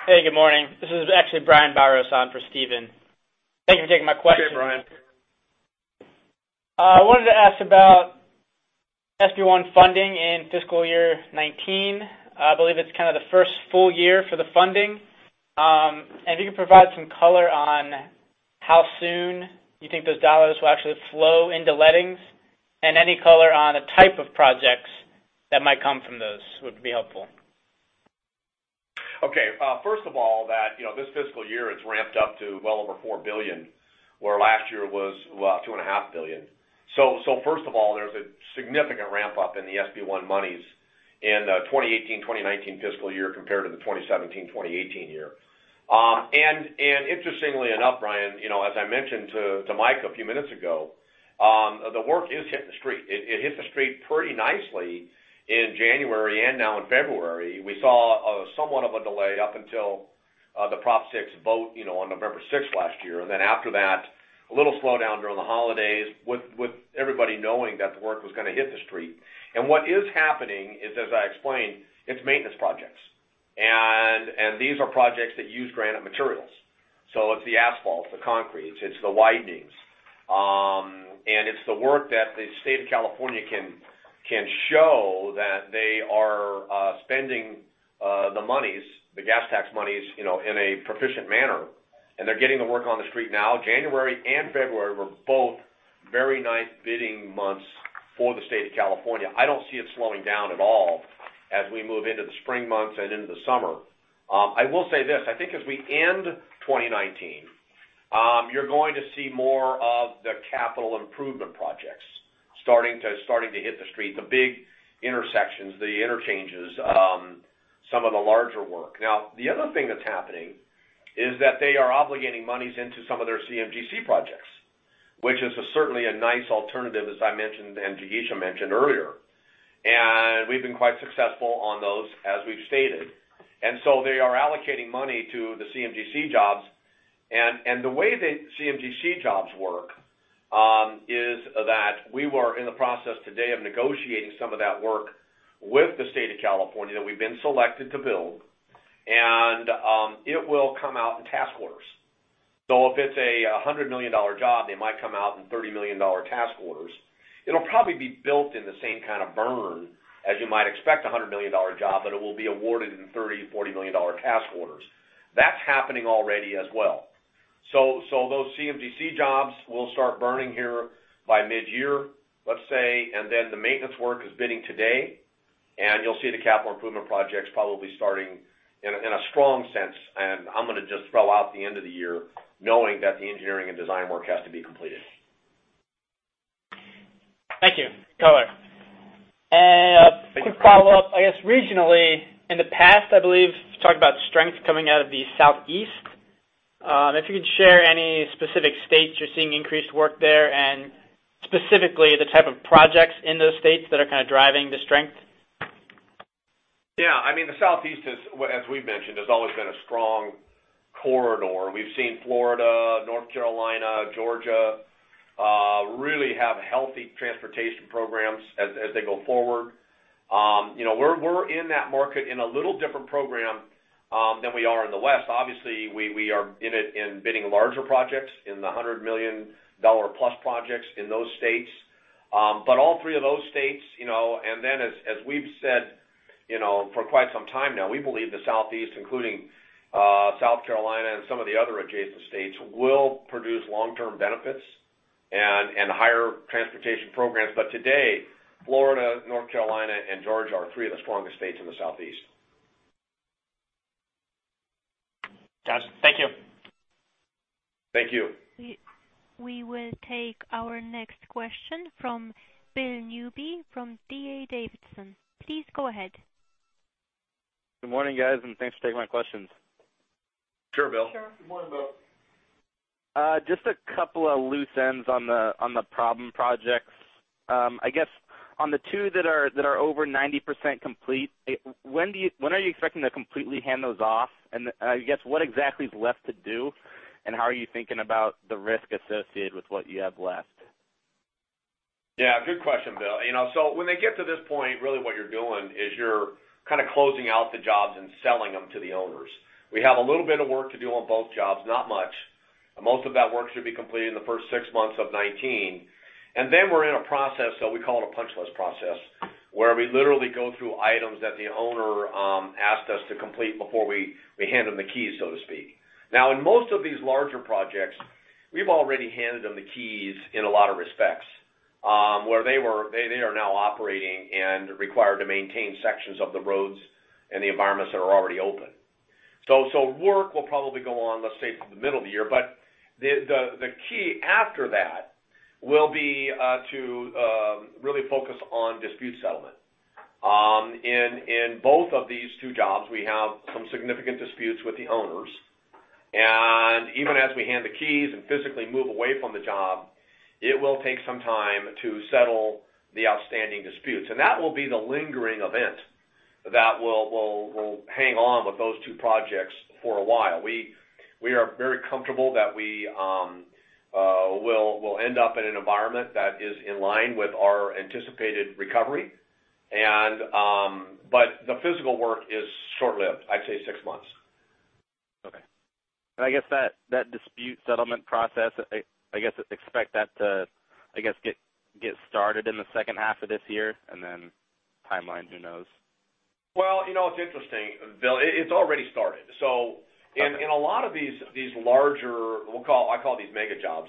Hey, good morning. This is actually Brian Biros on for Steven. Thank you for taking my question. Hey, Brian. I wanted to ask about SB 1 funding in fiscal year 2019. I believe it's kind of the first full year for the funding. And if you can provide some color on how soon you think those dollars will actually flow into lettings, and any color on the type of projects that might come from those, would be helpful? Okay. First of all, you know, this fiscal year, it's ramped up to well over $4 billion, where last year was about $2.5 billion. So first of all, there's a significant ramp up in the SB 1 monies in 2018, 2019 fiscal year compared to the 2017, 2018 year. And interestingly enough, Brian, you know, as I mentioned to Mike a few minutes ago, the work is hitting the street. It hit the street pretty nicely in January and now in February. We saw somewhat of a delay up until the Prop 6 vote, you know, on November 6 last year. And then after that, a little slowdown during the holidays, with everybody knowing that the work was gonna hit the street. What is happening is, as I explained, it's maintenance projects. And these are projects that use Granite materials. So it's the asphalts, the concretes, it's the widenings. And it's the work that the state of California can show that they are spending the monies, the gas tax monies, you know, in a proficient manner, and they're getting the work on the street now. January and February were both very nice bidding months for the state of California. I don't see it slowing down at all as we move into the spring months and into the summer. I will say this: I think as we end 2019, you're going to see more of the capital improvement projects starting to hit the street, the big intersections, the interchanges, some of the larger work. Now, the other thing that's happening is that they are obligating monies into some of their CMGC projects, which is certainly a nice alternative, as I mentioned, and Jigisha mentioned earlier, and we've been quite successful on those, as we've stated. And so they are allocating money to the CMGC jobs. And, and the way the CMGC jobs work, is that we were in the process today of negotiating some of that work with the state of California, that we've been selected to build, and, it will come out in task orders. So if it's a $100 million job, they might come out in $30 million task orders. It'll probably be built in the same kind of burn as you might expect a $100 million job, but it will be awarded in $30-$40 million task orders. That's happening already as well. So, so those CMGC jobs will start burning here by mid-year, let's say, and then the maintenance work is bidding today, and you'll see the capital improvement projects probably starting in a strong sense, and I'm gonna just throw out the end of the year, knowing that the engineering and design work has to be completed. Thank you, Tyler. Thank you. Quick follow-up, I guess, regionally, in the past, I believe, you talked about strength coming out of the Southeast. If you could share any specific states you're seeing increased work there, and specifically, the type of projects in those states that are kind of driving the strength. Yeah. I mean, the Southeast is, as we've mentioned, has always been a strong corridor. We've seen Florida, North Carolina, Georgia, really have healthy transportation programs as they go forward. You know, we're in that market in a little different program than we are in the West. Obviously, we are in it in bidding larger projects, in the $100 million-plus projects in those states. But all three of those states, you know, and then as we've said, you know, for quite some time now, we believe the Southeast, including South Carolina and some of the other adjacent states, will produce long-term benefits and higher transportation programs. But today, Florida, North Carolina, and Georgia are three of the strongest states in the Southeast. Gotcha. Thank you. Thank you. We will take our next question from Bill Newby from D.A. Davidson. Please go ahead. Good morning, guys, and thanks for taking my questions. Sure, Bill. Sure. Good morning, Bill. Just a couple of loose ends on the, on the problem projects. I guess on the two that are, that are over 90% complete, when do you- when are you expecting to completely hand those off? And, I guess what exactly is left to do, and how are you thinking about the risk associated with what you have left? Yeah, good question, Bill. You know, so when they get to this point, really what you're doing is you're kind of closing out the jobs and selling them to the owners. We have a little bit of work to do on both jobs, not much, and most of that work should be completed in the first six months of 2019. And then we're in a process that we call it a punch list process, where we literally go through items that the owner asked us to complete before we hand them the keys, so to speak. Now, in most of these larger projects, we've already handed them the keys in a lot of respects, where they are now operating and required to maintain sections of the roads and the environments that are already open. So work will probably go on, let's say, for the middle of the year, but the key after that will be to really focus on dispute settlement. In both of these two jobs, we have some significant disputes with the owners. And even as we hand the keys and physically move away from the job, it will take some time to settle the outstanding disputes. And that will be the lingering event that will hang on with those two projects for a while. We are very comfortable that we will end up in an environment that is in line with our anticipated recovery. But the physical work is short-lived. I'd say six months. Okay. And I guess that dispute settlement process. I guess I expect that to get started in the second half of this year, and then timeline, who knows? Well, you know, it's interesting, Bill. It, it's already started. Okay. So in a lot of these larger, we'll call—I call these mega jobs,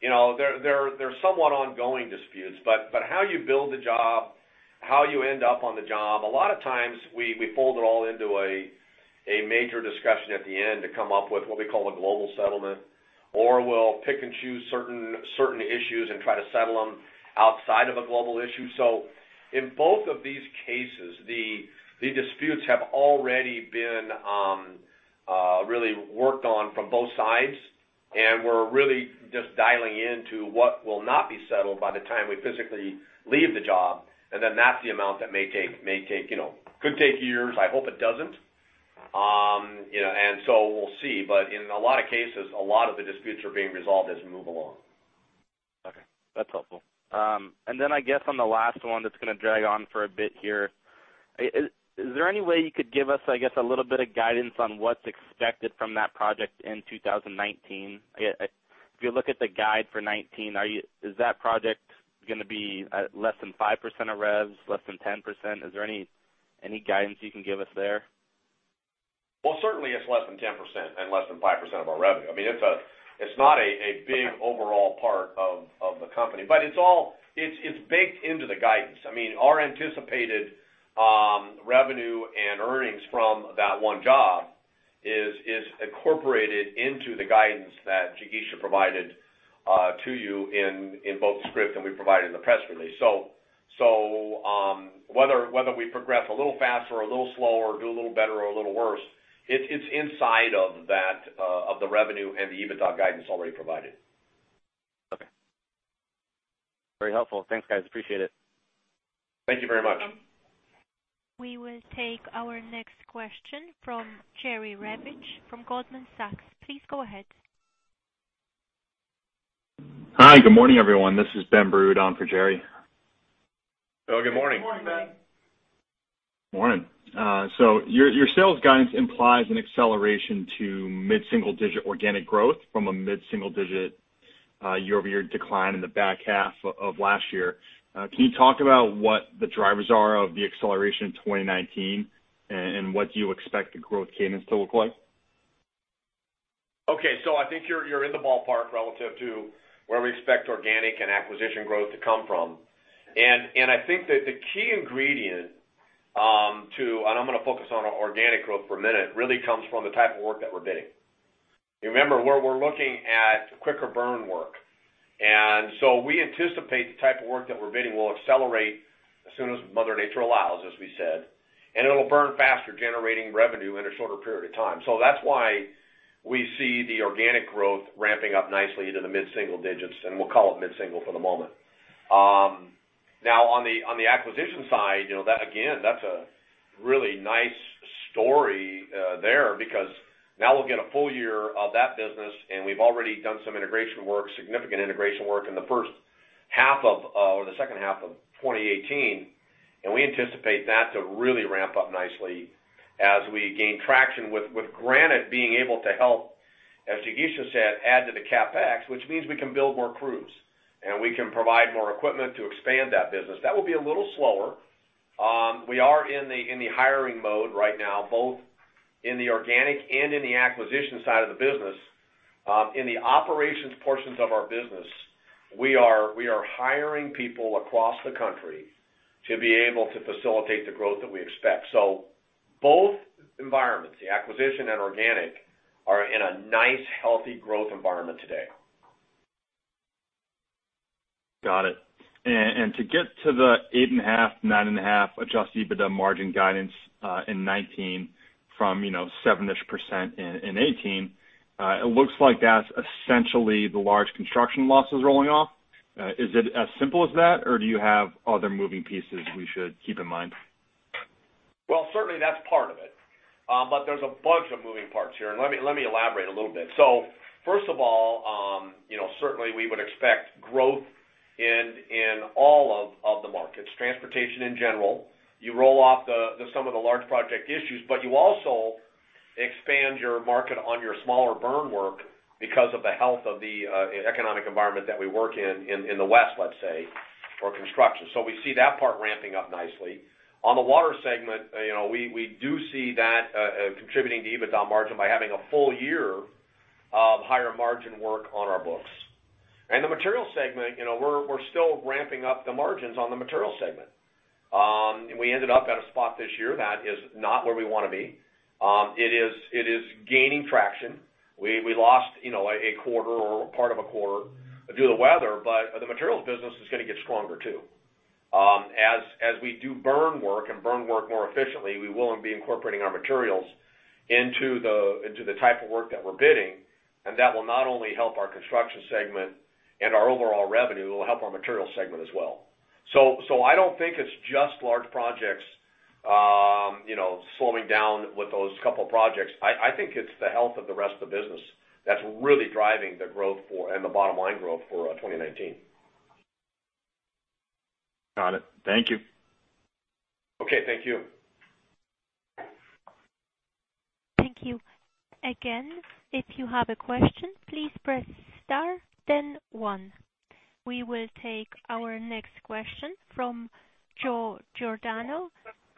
you know, they're somewhat ongoing disputes, but how you build the job, how you end up on the job, a lot of times we fold it all into a major discussion at the end to come up with what we call a global settlement, or we'll pick and choose certain issues and try to settle them outside of a global issue. So in both of these cases, the disputes have already been really worked on from both sides, and we're really just dialing in to what will not be settled by the time we physically leave the job, and then that's the amount that may take, you know, could take years. I hope it doesn't. You know, and so we'll see. But in a lot of cases, a lot of the disputes are being resolved as we move along.... Okay, that's helpful. And then I guess on the last one that's gonna drag on for a bit here, is there any way you could give us, I guess, a little bit of guidance on what's expected from that project in 2019? If you look at the guide for 2019, is that project gonna be less than 5% of revs, less than 10%? Is there any guidance you can give us there? Well, certainly it's less than 10% and less than 5% of our revenue. I mean, it's not a big overall part of the company, but it's all baked into the guidance. I mean, our anticipated revenue and earnings from that one job is incorporated into the guidance that Jigisha provided to you in both the script, and we provided in the press release. So, whether we progress a little faster or a little slower, do a little better or a little worse, it's inside of that of the revenue and the EBITDA guidance already provided. Okay. Very helpful. Thanks, guys. Appreciate it. Thank you very much. Thank you. We will take our next question from Jerry Revich from Goldman Sachs. Please go ahead. Hi, good morning, everyone. This is Ben Burud on for Jerry. Oh, good morning. Good morning, Ben. Morning. So your sales guidance implies an acceleration to mid-single digit organic growth from a mid-single digit year-over-year decline in the back half of last year. Can you talk about what the drivers are of the acceleration in 2019, and what do you expect the growth cadence to look like? Okay. So I think you're in the ballpark relative to where we expect organic and acquisition growth to come from. And I think that the key ingredient. And I'm gonna focus on organic growth for a minute, really comes from the type of work that we're bidding. Remember, where we're looking at quicker burn work, and so we anticipate the type of work that we're bidding will accelerate as soon as Mother Nature allows, as we said, and it'll burn faster, generating revenue in a shorter period of time. So that's why we see the organic growth ramping up nicely into the mid-single digits, and we'll call it mid-single for the moment. Now, on the acquisition side, you know, that again, that's a really nice story, there, because now we'll get a full year of that business, and we've already done some integration work, significant integration work in the first half of, or the second half of 2018, and we anticipate that to really ramp up nicely as we gain traction with, with Granite being able to help, as Jigisha said, add to the CapEx, which means we can build more crews, and we can provide more equipment to expand that business. That will be a little slower. We are in the hiring mode right now, both in the organic and in the acquisition side of the business. In the operations portions of our business, we are hiring people across the country to be able to facilitate the growth that we expect. So both environments, the acquisition and organic, are in a nice, healthy growth environment today. Got it. And to get to the 8.5%-9.5% Adjusted EBITDA margin guidance, in 2019 from, you know, 7%-ish in 2018, it looks like that's essentially the large construction losses rolling off. Is it as simple as that, or do you have other moving pieces we should keep in mind? Well, certainly that's part of it. But there's a bunch of moving parts here, and let me, let me elaborate a little bit. So first of all, you know, certainly we would expect growth in, in all of, of the markets, transportation in general. You roll off the, the some of the large project issues, but you also expand your market on your smaller burn work because of the health of the, economic environment that we work in, in, in the West, let's say, or construction. So we see that part ramping up nicely. On the water segment, you know, we, we do see that, contributing to EBITDA margin by having a full year of higher margin work on our books. And the material segment, you know, we're, we're still ramping up the margins on the material segment. We ended up at a spot this year that is not where we wanna be. It is gaining traction. We lost, you know, a quarter or part of a quarter due to weather, but the materials business is gonna get stronger, too. As we do burn work and burn work more efficiently, we will be incorporating our materials into the type of work that we're bidding, and that will not only help our construction segment and our overall revenue, it will help our materials segment as well. So I don't think it's just large projects, you know, slowing down with those couple projects. I think it's the health of the rest of the business that's really driving the growth and the bottom line growth for 2019. Got it. Thank you. Okay, thank you. Thank you. Again, if you have a question, please press star, then one. We will take our next question from Joe Giordano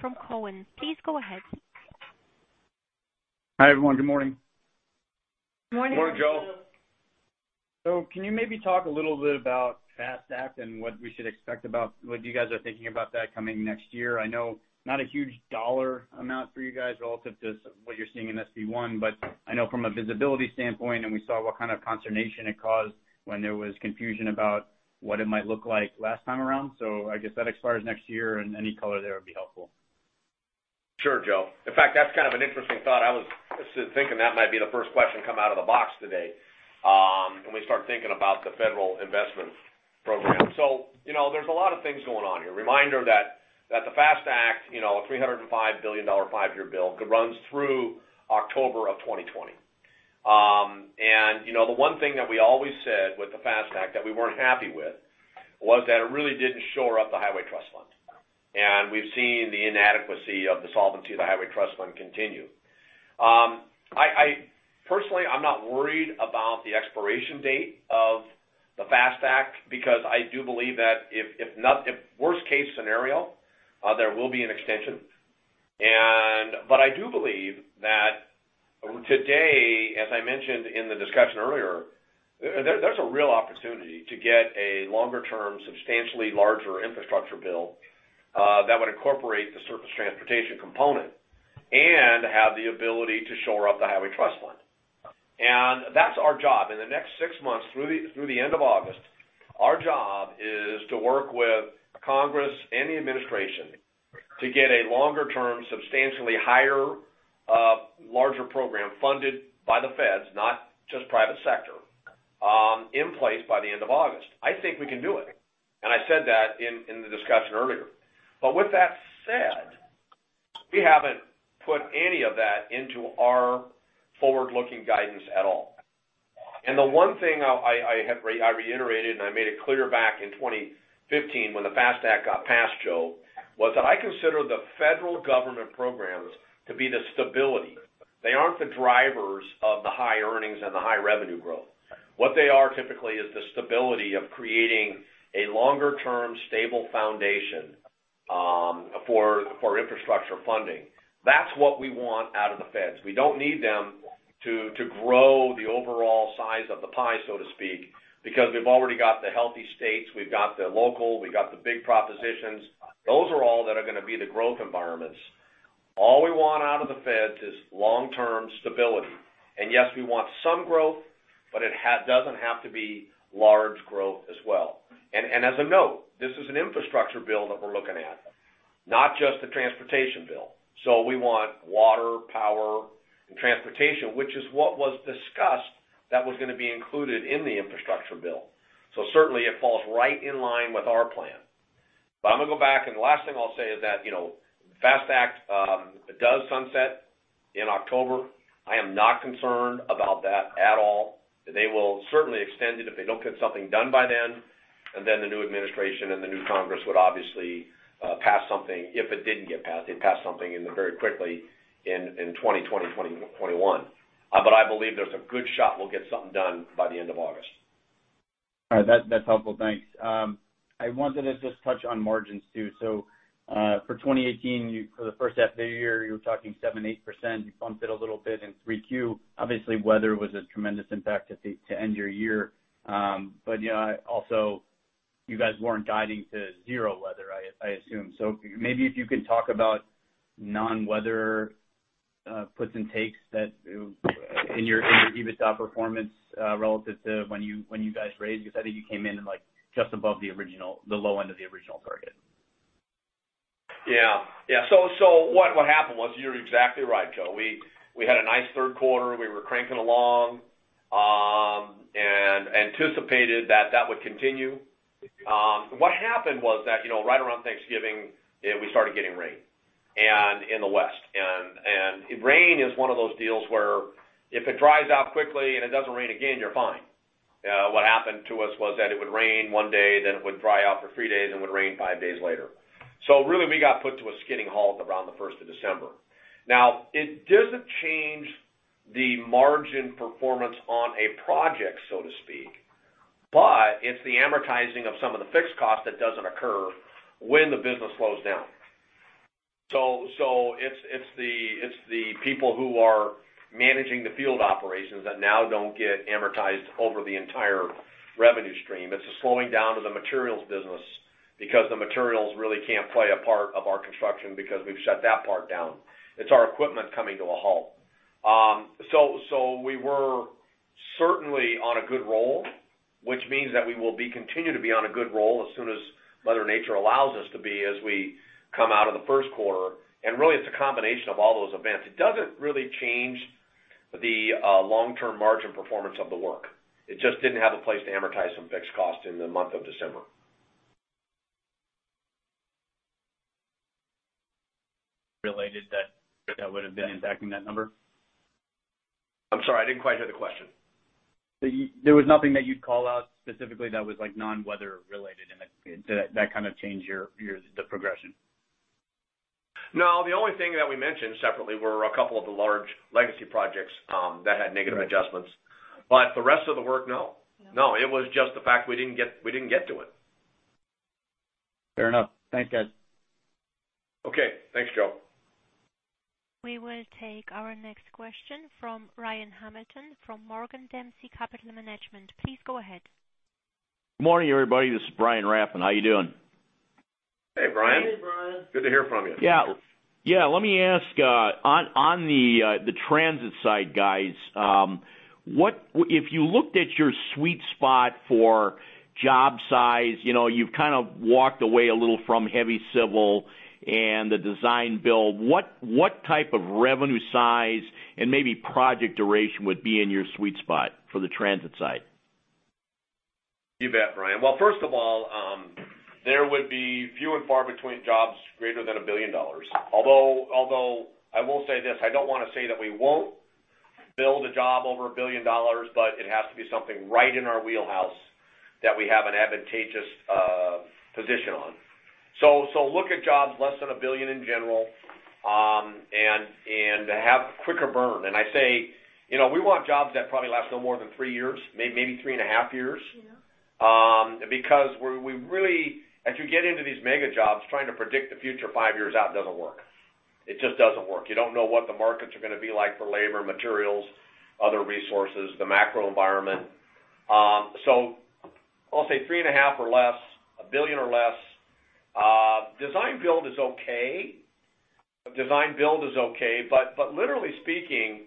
from Cowen. Please go ahead. Hi, everyone. Good morning. Good morning. Good morning, Joe. So can you maybe talk a little bit about FAST Act and what we should expect about what you guys are thinking about that coming next year? I know not a huge dollar amount for you guys relative to what you're seeing in SB-1, but I know from a visibility standpoint, and we saw what kind of consternation it caused when there was confusion about what it might look like last time around. So I guess that expires next year, and any color there would be helpful. Sure, Joe. In fact, that's kind of an interesting thought. I was thinking that might be the first question come out of the box today, when we start thinking about the federal investment program. So, you know, there's a lot of things going on here. Reminder that the FAST Act, you know, a $305 billion five-year bill that runs through October of 2020. And, you know, the one thing that we always said with the FAST Act that we weren't happy with, was that it really didn't shore up the Highway Trust Fund. And we've seen the inadequacy of the solvency of the Highway Trust Fund continue. I personally, I'm not worried about the expiration date of the FAST Act, because I do believe that if worst case scenario, there will be an extension. I do believe that today, as I mentioned in the discussion earlier, there's a real opportunity to get a longer term, substantially larger infrastructure bill that would incorporate the surface transportation component and have the ability to shore up the Highway Trust Fund. And that's our job. In the next six months, through the end of August, our job is to work with Congress and the administration to get a longer term, substantially higher, larger program funded by the feds, not just private sector, in place by the end of August. I think we can do it, and I said that in the discussion earlier. But with that said, we haven't put any of that into our forward-looking guidance at all. The one thing I have reiterated, and I made it clear back in 2015, when the FAST Act got passed, Joe, was that I consider the federal government programs to be the stability. They aren't the drivers of the high earnings and the high revenue growth. What they are typically is the stability of creating a longer term, stable foundation, for infrastructure funding. That's what we want out of the feds. We don't need them to grow the overall size of the pie, so to speak, because we've already got the healthy states, we've got the local, we've got the big propositions. Those are all that are gonna be the growth environments. All we want out of the feds is long-term stability. And yes, we want some growth, but it doesn't have to be large growth as well. And as a note, this is an infrastructure bill that we're looking at, not just a transportation bill. So we want water, power, and transportation, which is what was discussed that was gonna be included in the infrastructure bill. So certainly, it falls right in line with our plan. But I'm gonna go back, and the last thing I'll say is that, you know, FAST Act does sunset in October. I am not concerned about that at all. They will certainly extend it if they don't get something done by then, and then the new administration and the new Congress would obviously pass something. If it didn't get passed, they'd pass something in the very quickly in twenty twenty, twenty twenty-one. But I believe there's a good shot we'll get something done by the end of August. All right. That's helpful. Thanks. I wanted to just touch on margins, too. So, for 2018, you for the first half of the year, you were talking 7%-8%. You bumped it a little bit in 3Q. Obviously, weather was a tremendous impact at the, to end your year. But, you know, also, you guys weren't guiding to zero weather, I assume. So maybe if you could talk about non-weather puts and takes that in your EBITDA performance relative to when you guys raised, because I think you came in like just above the original, the low end of the original target. Yeah. So what happened was, you're exactly right, Joe. We had a nice third quarter. We were cranking along and anticipated that that would continue. What happened was that, you know, right around Thanksgiving, we started getting rain in the West. And rain is one of those deals where if it dries out quickly and it doesn't rain again, you're fine. What happened to us was that it would rain one day, then it would dry out for three days, and it would rain five days later. So really, we got put to a skidding halt around the first of December. Now, it doesn't change the margin performance on a project, so to speak, but it's the amortizing of some of the fixed costs that doesn't occur when the business slows down. So, it's the people who are managing the field operations that now don't get amortized over the entire revenue stream. It's a slowing down of the materials business because the materials really can't play a part of our construction because we've shut that part down. It's our equipment coming to a halt. So, we were certainly on a good roll, which means that we will be continue to be on a good roll as soon as mother nature allows us to be as we come out of the first quarter. Really, it's a combination of all those events. It doesn't really change the long-term margin performance of the work. It just didn't have a place to amortize some fixed costs in the month of December. Related that, that would have been impacting that number? I'm sorry, I didn't quite hear the question. There was nothing that you'd call out specifically that was like non-weather related and that kind of changed your, the progression? No, the only thing that we mentioned separately were a couple of the large legacy projects that had negative adjustments. Right. The rest of the work, no. No, it was just the fact we didn't get to it. Fair enough. Thanks, guys. Okay. Thanks, Joe. We will take our next question from Ryan Hamilton, from Morgan Dempsey Capital Management. Please go ahead. Morning, everybody. This is Brian Rafn. How are you doing? Hey, Brian. Hey, Brian. Good to hear from you. Yeah. Yeah, let me ask, on, on the, the transit side, guys, what if you looked at your sweet spot for job size, you know, you've kind of walked away a little from heavy civil and the design build. What, what type of revenue size and maybe project duration would be in your sweet spot for the transit side?... You bet, Brian. Well, first of all, there would be few and far between jobs greater than $1 billion. Although, although I will say this, I don't want to say that we won't build a job over $1 billion, but it has to be something right in our wheelhouse that we have an advantageous position on. So, so look at jobs less than $1 billion in general, and, and have quicker burn. And I say, you know, we want jobs that probably last no more than 3 years, maybe 3.5 years. Because we, we really, as you get into these mega jobs, trying to predict the future 5 years out doesn't work. It just doesn't work. You don't know what the markets are gonna be like for labor, materials, other resources, the macro environment. So I'll say $3.5 billion or less. Design-build is okay. Design-build is okay, but literally speaking,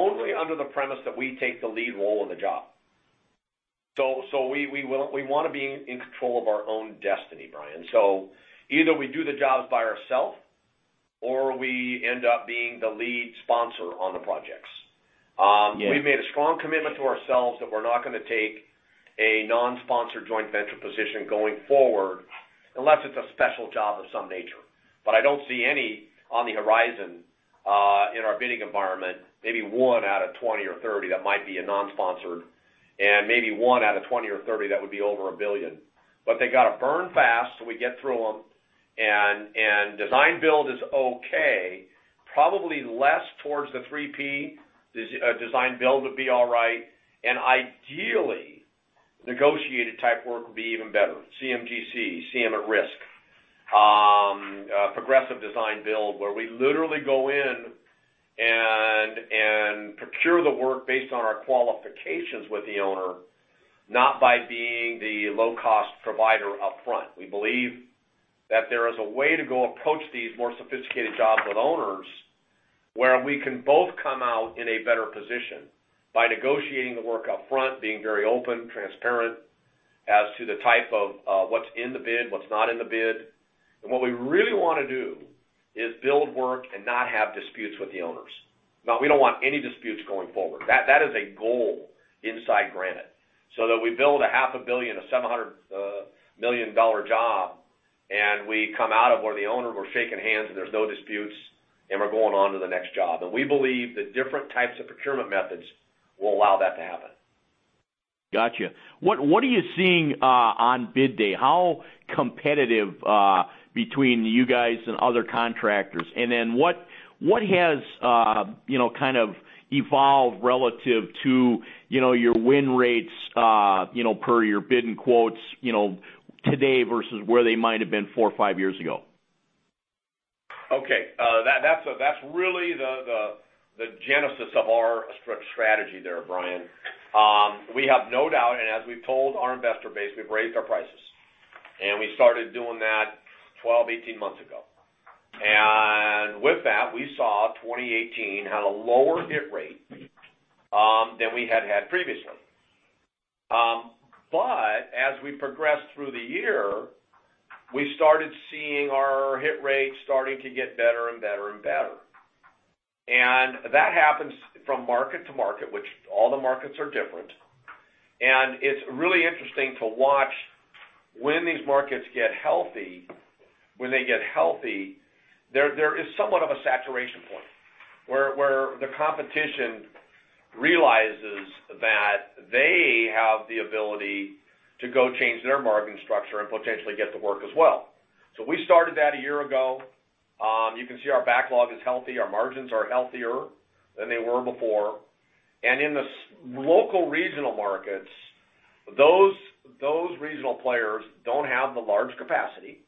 only under the premise that we take the lead role in the job. So we wanna be in control of our own destiny, Brian. So either we do the jobs by ourself, or we end up being the lead sponsor on the projects. Yeah. We've made a strong commitment to ourselves that we're not gonna take a non-sponsored joint venture position going forward, unless it's a special job of some nature. But I don't see any on the horizon in our bidding environment, maybe one out of 20 or 30 that might be a non-sponsored, and maybe one out of 20 or 30 that would be over $1 billion. But they gotta burn fast, so we get through them, and design build is okay. Probably less towards the P3. Design build would be all right, and ideally, negotiated type work would be even better. CMGC, CM at risk. Progressive design build, where we literally go in and procure the work based on our qualifications with the owner, not by being the low-cost provider upfront. We believe that there is a way to go approach these more sophisticated jobs with owners, where we can both come out in a better position by negotiating the work upfront, being very open, transparent as to the type of, what's in the bid, what's not in the bid. And what we really wanna do is build work and not have disputes with the owners. Now, we don't want any disputes going forward. That, that is a goal inside Granite, so that we build a $500 million, a $700 million dollar job, and we come out of where the owner, we're shaking hands, and there's no disputes, and we're going on to the next job. And we believe that different types of procurement methods will allow that to happen. Gotcha. What, what are you seeing on bid day? How competitive between you guys and other contractors? And then what, what has, you know, kind of evolved relative to, you know, your win rates, you know, per your bid and quotes, you know, today versus where they might have been four, five years ago? Okay. That's really the genesis of our strategy there, Brian. We have no doubt, and as we've told our investor base, we've raised our prices, and we started doing that 12, 18 months ago. And with that, we saw 2018 had a lower hit rate than we had had previously. But as we progressed through the year, we started seeing our hit rate starting to get better and better and better. And that happens from market to market, which all the markets are different. And it's really interesting to watch when these markets get healthy, when they get healthy, there is somewhat of a saturation point, where the competition realizes that they have the ability to go change their margin structure and potentially get the work as well. So we started that a year ago. You can see our backlog is healthy, our margins are healthier than they were before. And in the local regional markets, those, those regional players don't have the large capacity,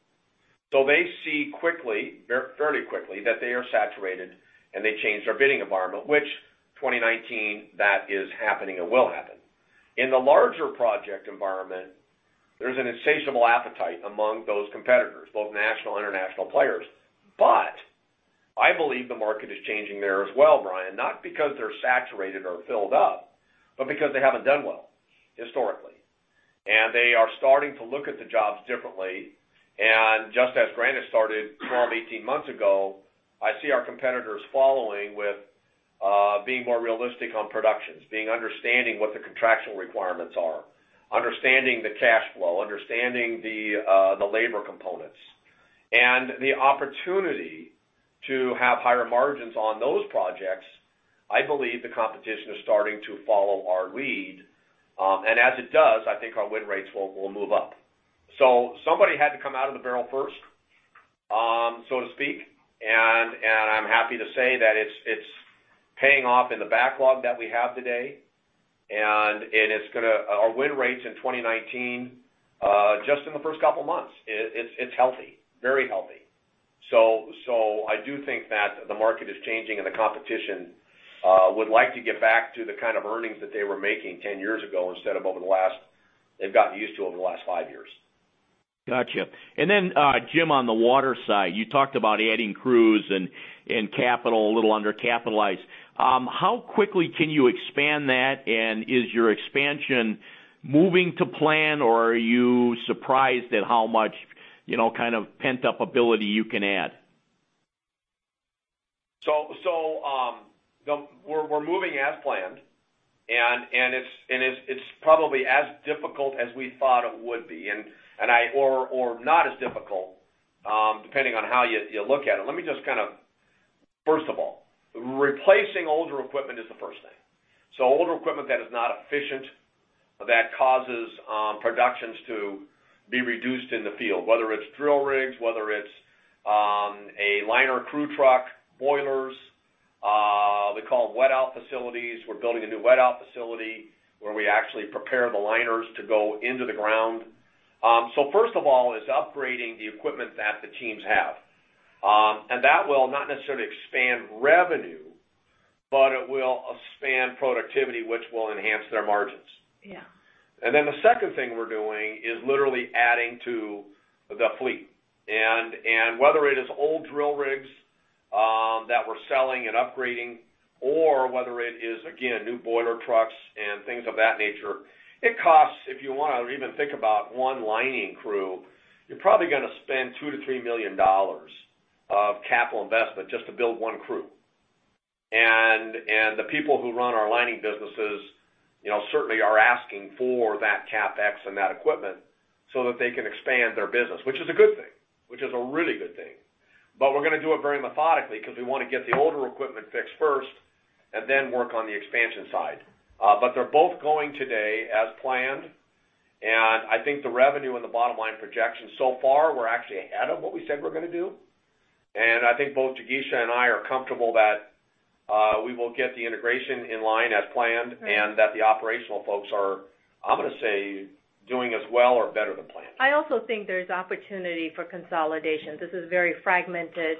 so they see quickly, fairly quickly, that they are saturated, and they change their bidding environment, which in 2019, that is happening and will happen. In the larger project environment, there's an insatiable appetite among those competitors, both national and international players. But I believe the market is changing there as well, Brian, not because they're saturated or filled up, but because they haven't done well historically. And they are starting to look at the jobs differently. And just as Granite started 12, 18 months ago, I see our competitors following with, being more realistic on productions, being understanding what the contractual requirements are, understanding the cash flow, understanding the, the labor components. The opportunity to have higher margins on those projects, I believe the competition is starting to follow our lead, and as it does, I think our win rates will move up. So somebody had to come out of the barrel first, so to speak, and I'm happy to say that it's paying off in the backlog that we have today, and it's gonna... Our win rates in 2019, just in the first couple of months, it's healthy, very healthy. So I do think that the market is changing, and the competition would like to get back to the kind of earnings that they were making ten years ago, instead of over the last... They've gotten used to over the last five years. Gotcha. And then, Jim, on the water side, you talked about adding crews and capital, a little undercapitalized. How quickly can you expand that, and is your expansion moving to plan, or are you surprised at how much, you know, kind of pent-up ability you can add? So, we're moving as planned, and it's probably as difficult as we thought it would be, or not as difficult, depending on how you look at it. Let me just kind of, first of all, replacing older equipment is the first thing. So older equipment that is not efficient, that causes productions to be reduced in the field, whether it's drill rigs, whether it's a liner crew truck, boilers, we call them wet out facilities. We're building a new wet out facility where we actually prepare the liners to go into the ground. So first of all, is upgrading the equipment that the teams have. And that will not necessarily expand revenue, but it will expand productivity, which will enhance their margins. Yeah. And then the second thing we're doing is literally adding to the fleet. And whether it is old drill rigs that we're selling and upgrading, or whether it is, again, new boiler trucks and things of that nature, it costs, if you wanna even think about one lining crew, you're probably gonna spend $2 million-$3 million of capital investment just to build one crew. And the people who run our lining businesses, you know, certainly are asking for that CapEx and that equipment so that they can expand their business, which is a good thing, which is a really good thing. But we're gonna do it very methodically because we wanna get the older equipment fixed first and then work on the expansion side. But they're both going today as planned, and I think the revenue and the bottom line projections so far, we're actually ahead of what we said we're gonna do. And I think both Jigisha and I are comfortable that we will get the integration in line as planned, and that the operational folks are, I'm gonna say, doing as well or better than planned. I also think there's opportunity for consolidation. This is a very fragmented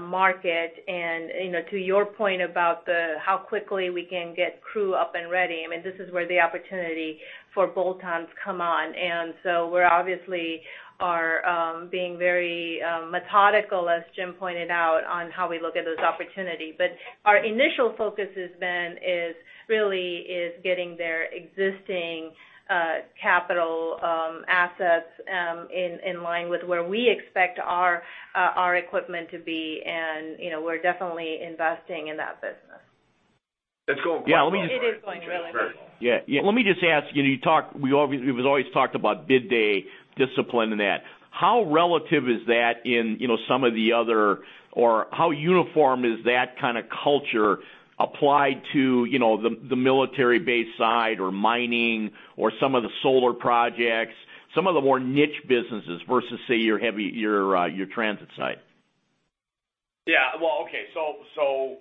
market, and, you know, to your point about the how quickly we can get crew up and ready, I mean, this is where the opportunity for bolt-ons come on. And so we're obviously are being very methodical, as Jim pointed out, on how we look at those opportunities. But our initial focus has been, is really, is getting their existing capital assets in line with where we expect our our equipment to be, and, you know, we're definitely investing in that business. It's going quite well. Yeah, let me just- It is going really well. Yeah. Yeah, let me just ask you, you talked... We always—we've always talked about bid day discipline and that. How relative is that in, you know, some of the other—or how uniform is that kind of culture applied to, you know, the, the military base side or mining or some of the solar projects, some of the more niche businesses versus, say, your heavy, your, your transit side? Yeah, well, okay. So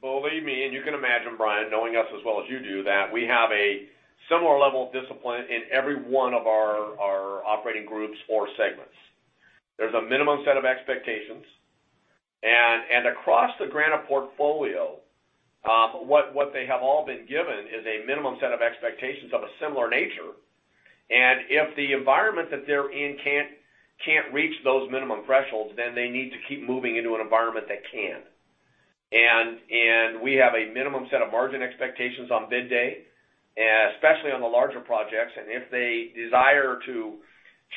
believe me, and you can imagine, Brian, knowing us as well as you do, that we have a similar level of discipline in every one of our operating groups or segments. There's a minimum set of expectations, and across the Granite portfolio, what they have all been given is a minimum set of expectations of a similar nature. And if the environment that they're in can't reach those minimum thresholds, then they need to keep moving into an environment that can. And we have a minimum set of margin expectations on bid day, and especially on the larger projects. And if they desire to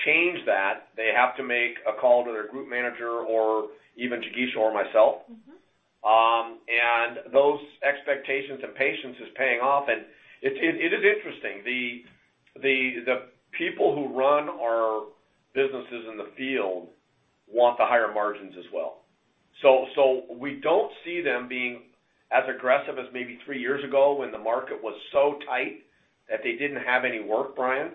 change that, they have to make a call to their group manager or even Jigisha or myself. Mm-hmm. And those expectations and patience is paying off, and it is interesting. The people who run our businesses in the field want the higher margins as well. So we don't see them being as aggressive as maybe three years ago, when the market was so tight that they didn't have any work, Brian.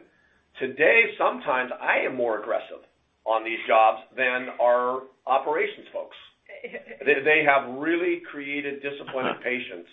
Today, sometimes I am more aggressive on these jobs than our operations folks. They have really created discipline and patience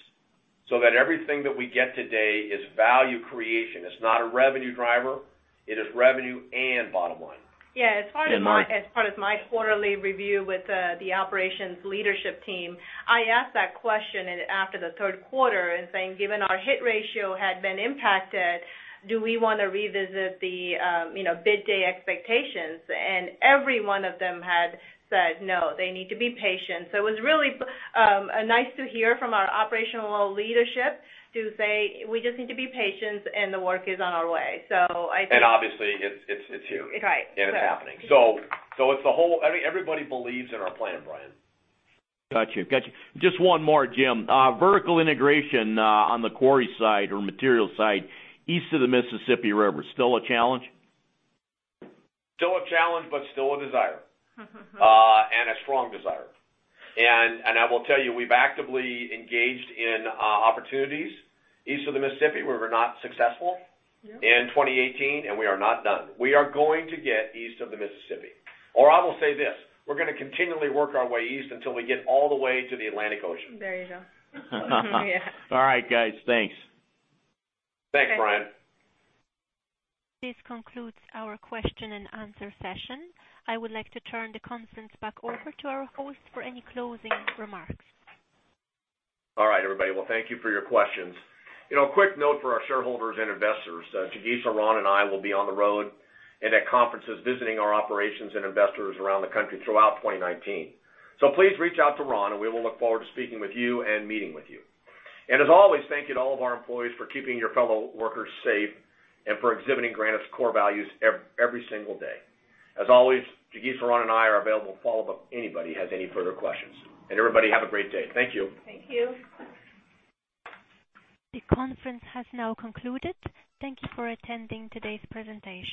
so that everything that we get today is value creation. It's not a revenue driver. It is revenue and bottom line. Yeah, as part of my- And margin. As part of my quarterly review with the operations leadership team, I asked that question, and after the third quarter, and saying, "Given our hit ratio had been impacted, do we wanna revisit the, you know, bid day expectations?" And every one of them had said, "No, they need to be patient." So it was really nice to hear from our operational leadership to say, "We just need to be patient, and the work is on our way." So I think- Obviously, it's here. Right. It's happening. So, it's the whole... I mean, everybody believes in our plan, Brian. Got you. Got you. Just one more, Jim. Vertical integration on the quarry side or material side, east of the Mississippi River, still a challenge? Still a challenge, but still a desire. And a strong desire. And, and I will tell you, we've actively engaged in opportunities east of the Mississippi, where we're not successful in 2018, and we are not done. We are going to get east of the Mississippi, or I will say this: We're gonna continually work our way east until we get all the way to the Atlantic Ocean. There you go. Yeah. All right, guys. Thanks. Thanks, Brian. This concludes our question and answer session. I would like to turn the conference back over to our host for any closing remarks. All right, everybody. Well, thank you for your questions. You know, a quick note for our shareholders and investors, Jigisha, Ron, and I will be on the road and at conferences, visiting our operations and investors around the country throughout 2019. So please reach out to Ron, and we will look forward to speaking with you and meeting with you. And as always, thank you to all of our employees for keeping your fellow workers safe and for exhibiting Granite's core values every single day. As always, Jigisha, Ron, and I are available to follow up if anybody has any further questions. And everybody, have a great day. Thank you. Thank you. The conference has now concluded. Thank you for attending today's presentation.